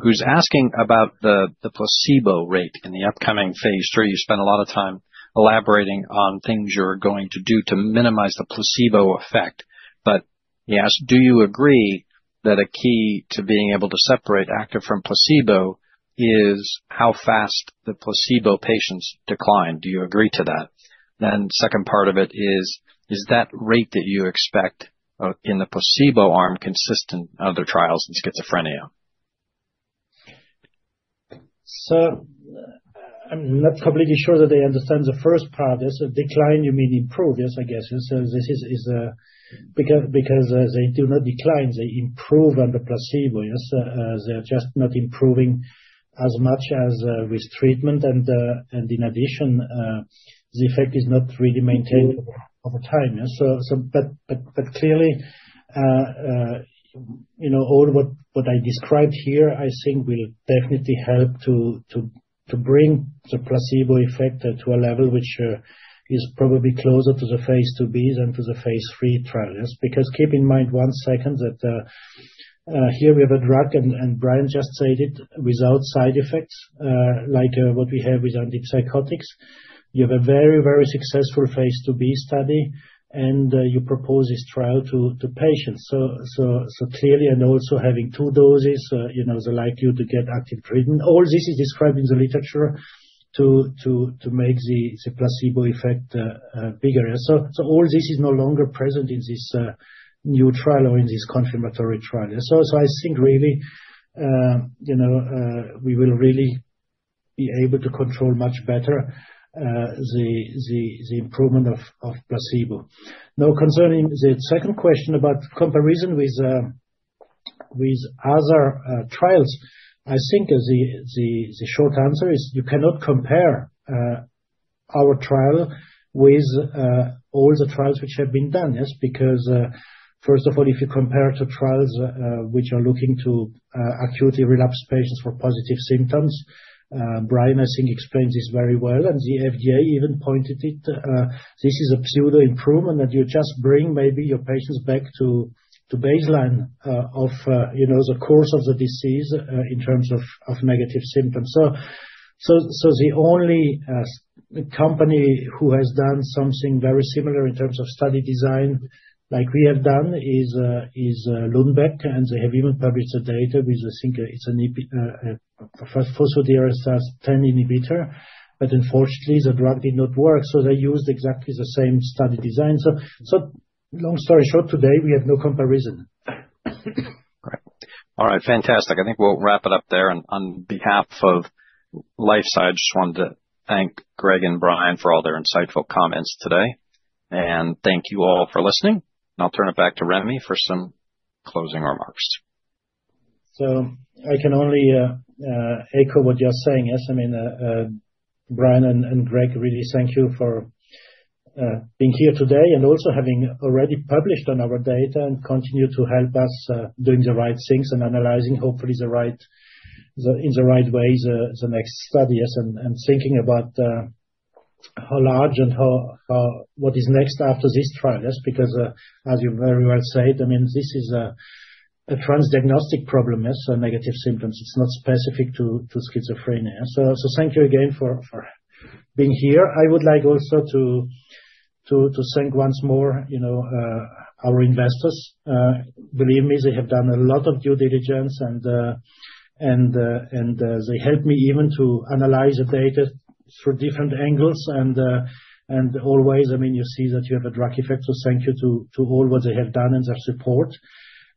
S5: who's asking about the placebo rate in the upcoming phase III. You spent a lot of time elaborating on things you're going to do to minimize the placebo effect, but he asked, "Do you agree that a key to being able to separate active from placebo is how fast the placebo patients decline? Do you agree to that?" Then, second part of it is: "Is that rate that you expect, in the placebo arm, consistent other trials in schizophrenia?
S2: So I'm not completely sure that I understand the first part. Yes, the decline, you mean improve, yes, I guess. So this is because they do not decline, they improve on the placebo, yes? They're just not improving as much as with treatment, and in addition, the effect is not really maintained over time. Yeah, so but clearly, you know, all what I described here, I think will definitely help to bring the placebo effect to a level which is probably closer to the phase II-B's than to the phase III trials. Because keep in mind, one second, that here we have a drug, and Brian just said it, without side effects like what we have with antipsychotics. You have a very, very successful phase II-B study, and you propose this trial to, to patients. So, so, so clearly, and also having two doses, you know, the likelihood to get active treatment, all this is described in the literature to make the, the placebo effect bigger. So, so all this is no longer present in this new trial or in this confirmatory trial. So, so I think really, you know, we will really be able to control much better the, the, the improvement of placebo. Now, concerning the second question about comparison with, with other trials, I think the, the, the short answer is, you cannot compare our trial with all the trials which have been done, yes? Because, first of all, if you compare to trials, which are looking to, acutely relapse patients for positive symptoms, Brian, I think, explained this very well, and the FDA even pointed it, this is a pseudo improvement, that you just bring maybe your patients back to, to baseline, of, you know, the course of the disease, in terms of, of negative symptoms. So, the only company who has done something very similar in terms of study design like we have done is, Lundbeck, and they have even published the data, which I think it's a PDE10 inhibitor, but unfortunately, the drug did not work, so they used exactly the same study design. So, long story short, today, we have no comparison.
S5: All right, fantastic. I think we'll wrap it up there. And on behalf of LifeSci, I just wanted to thank Greg and Brian for all their insightful comments today. And thank you all for listening, and I'll turn it back to Rémy for some closing remarks.
S2: So I can only echo what you're saying, yes. I mean, Brian and Greg, really thank you for being here today, and also having already published on our data and continue to help us doing the right things and analyzing hopefully the right in the right way the next study. Yes, and thinking about how large and how what is next after this trial. Yes, because as you very well said, I mean, this is a transdiagnostic problem, yes, so negative symptoms, it's not specific to schizophrenia. So thank you again for being here. I would like also to thank once more, you know, our investors. Believe me, they have done a lot of due diligence and they helped me even to analyze the data through different angles and always, I mean, you see that you have a drug effect, so thank you to all what they have done and their support.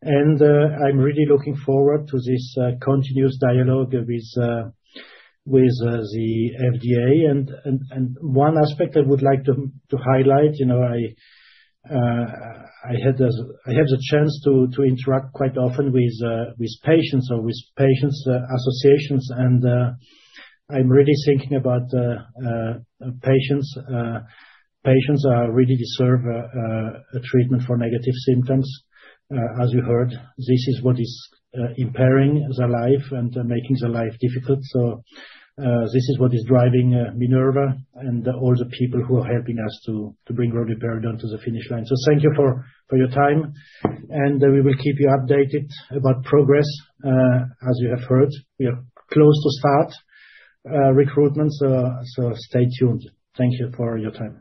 S2: I'm really looking forward to this continuous dialogue with the FDA. One aspect I would like to highlight, you know, I had the chance to interact quite often with patients or with patients' associations, and I'm really thinking about patients. Patients really deserve a treatment for negative symptoms. As you heard, this is what is impairing their life and making their life difficult, so this is what is driving Minerva and all the people who are helping us to bring roluperidone to the finish line. So thank you for your time, and we will keep you updated about progress. As you have heard, we are close to start recruitment, so stay tuned. Thank you for your time.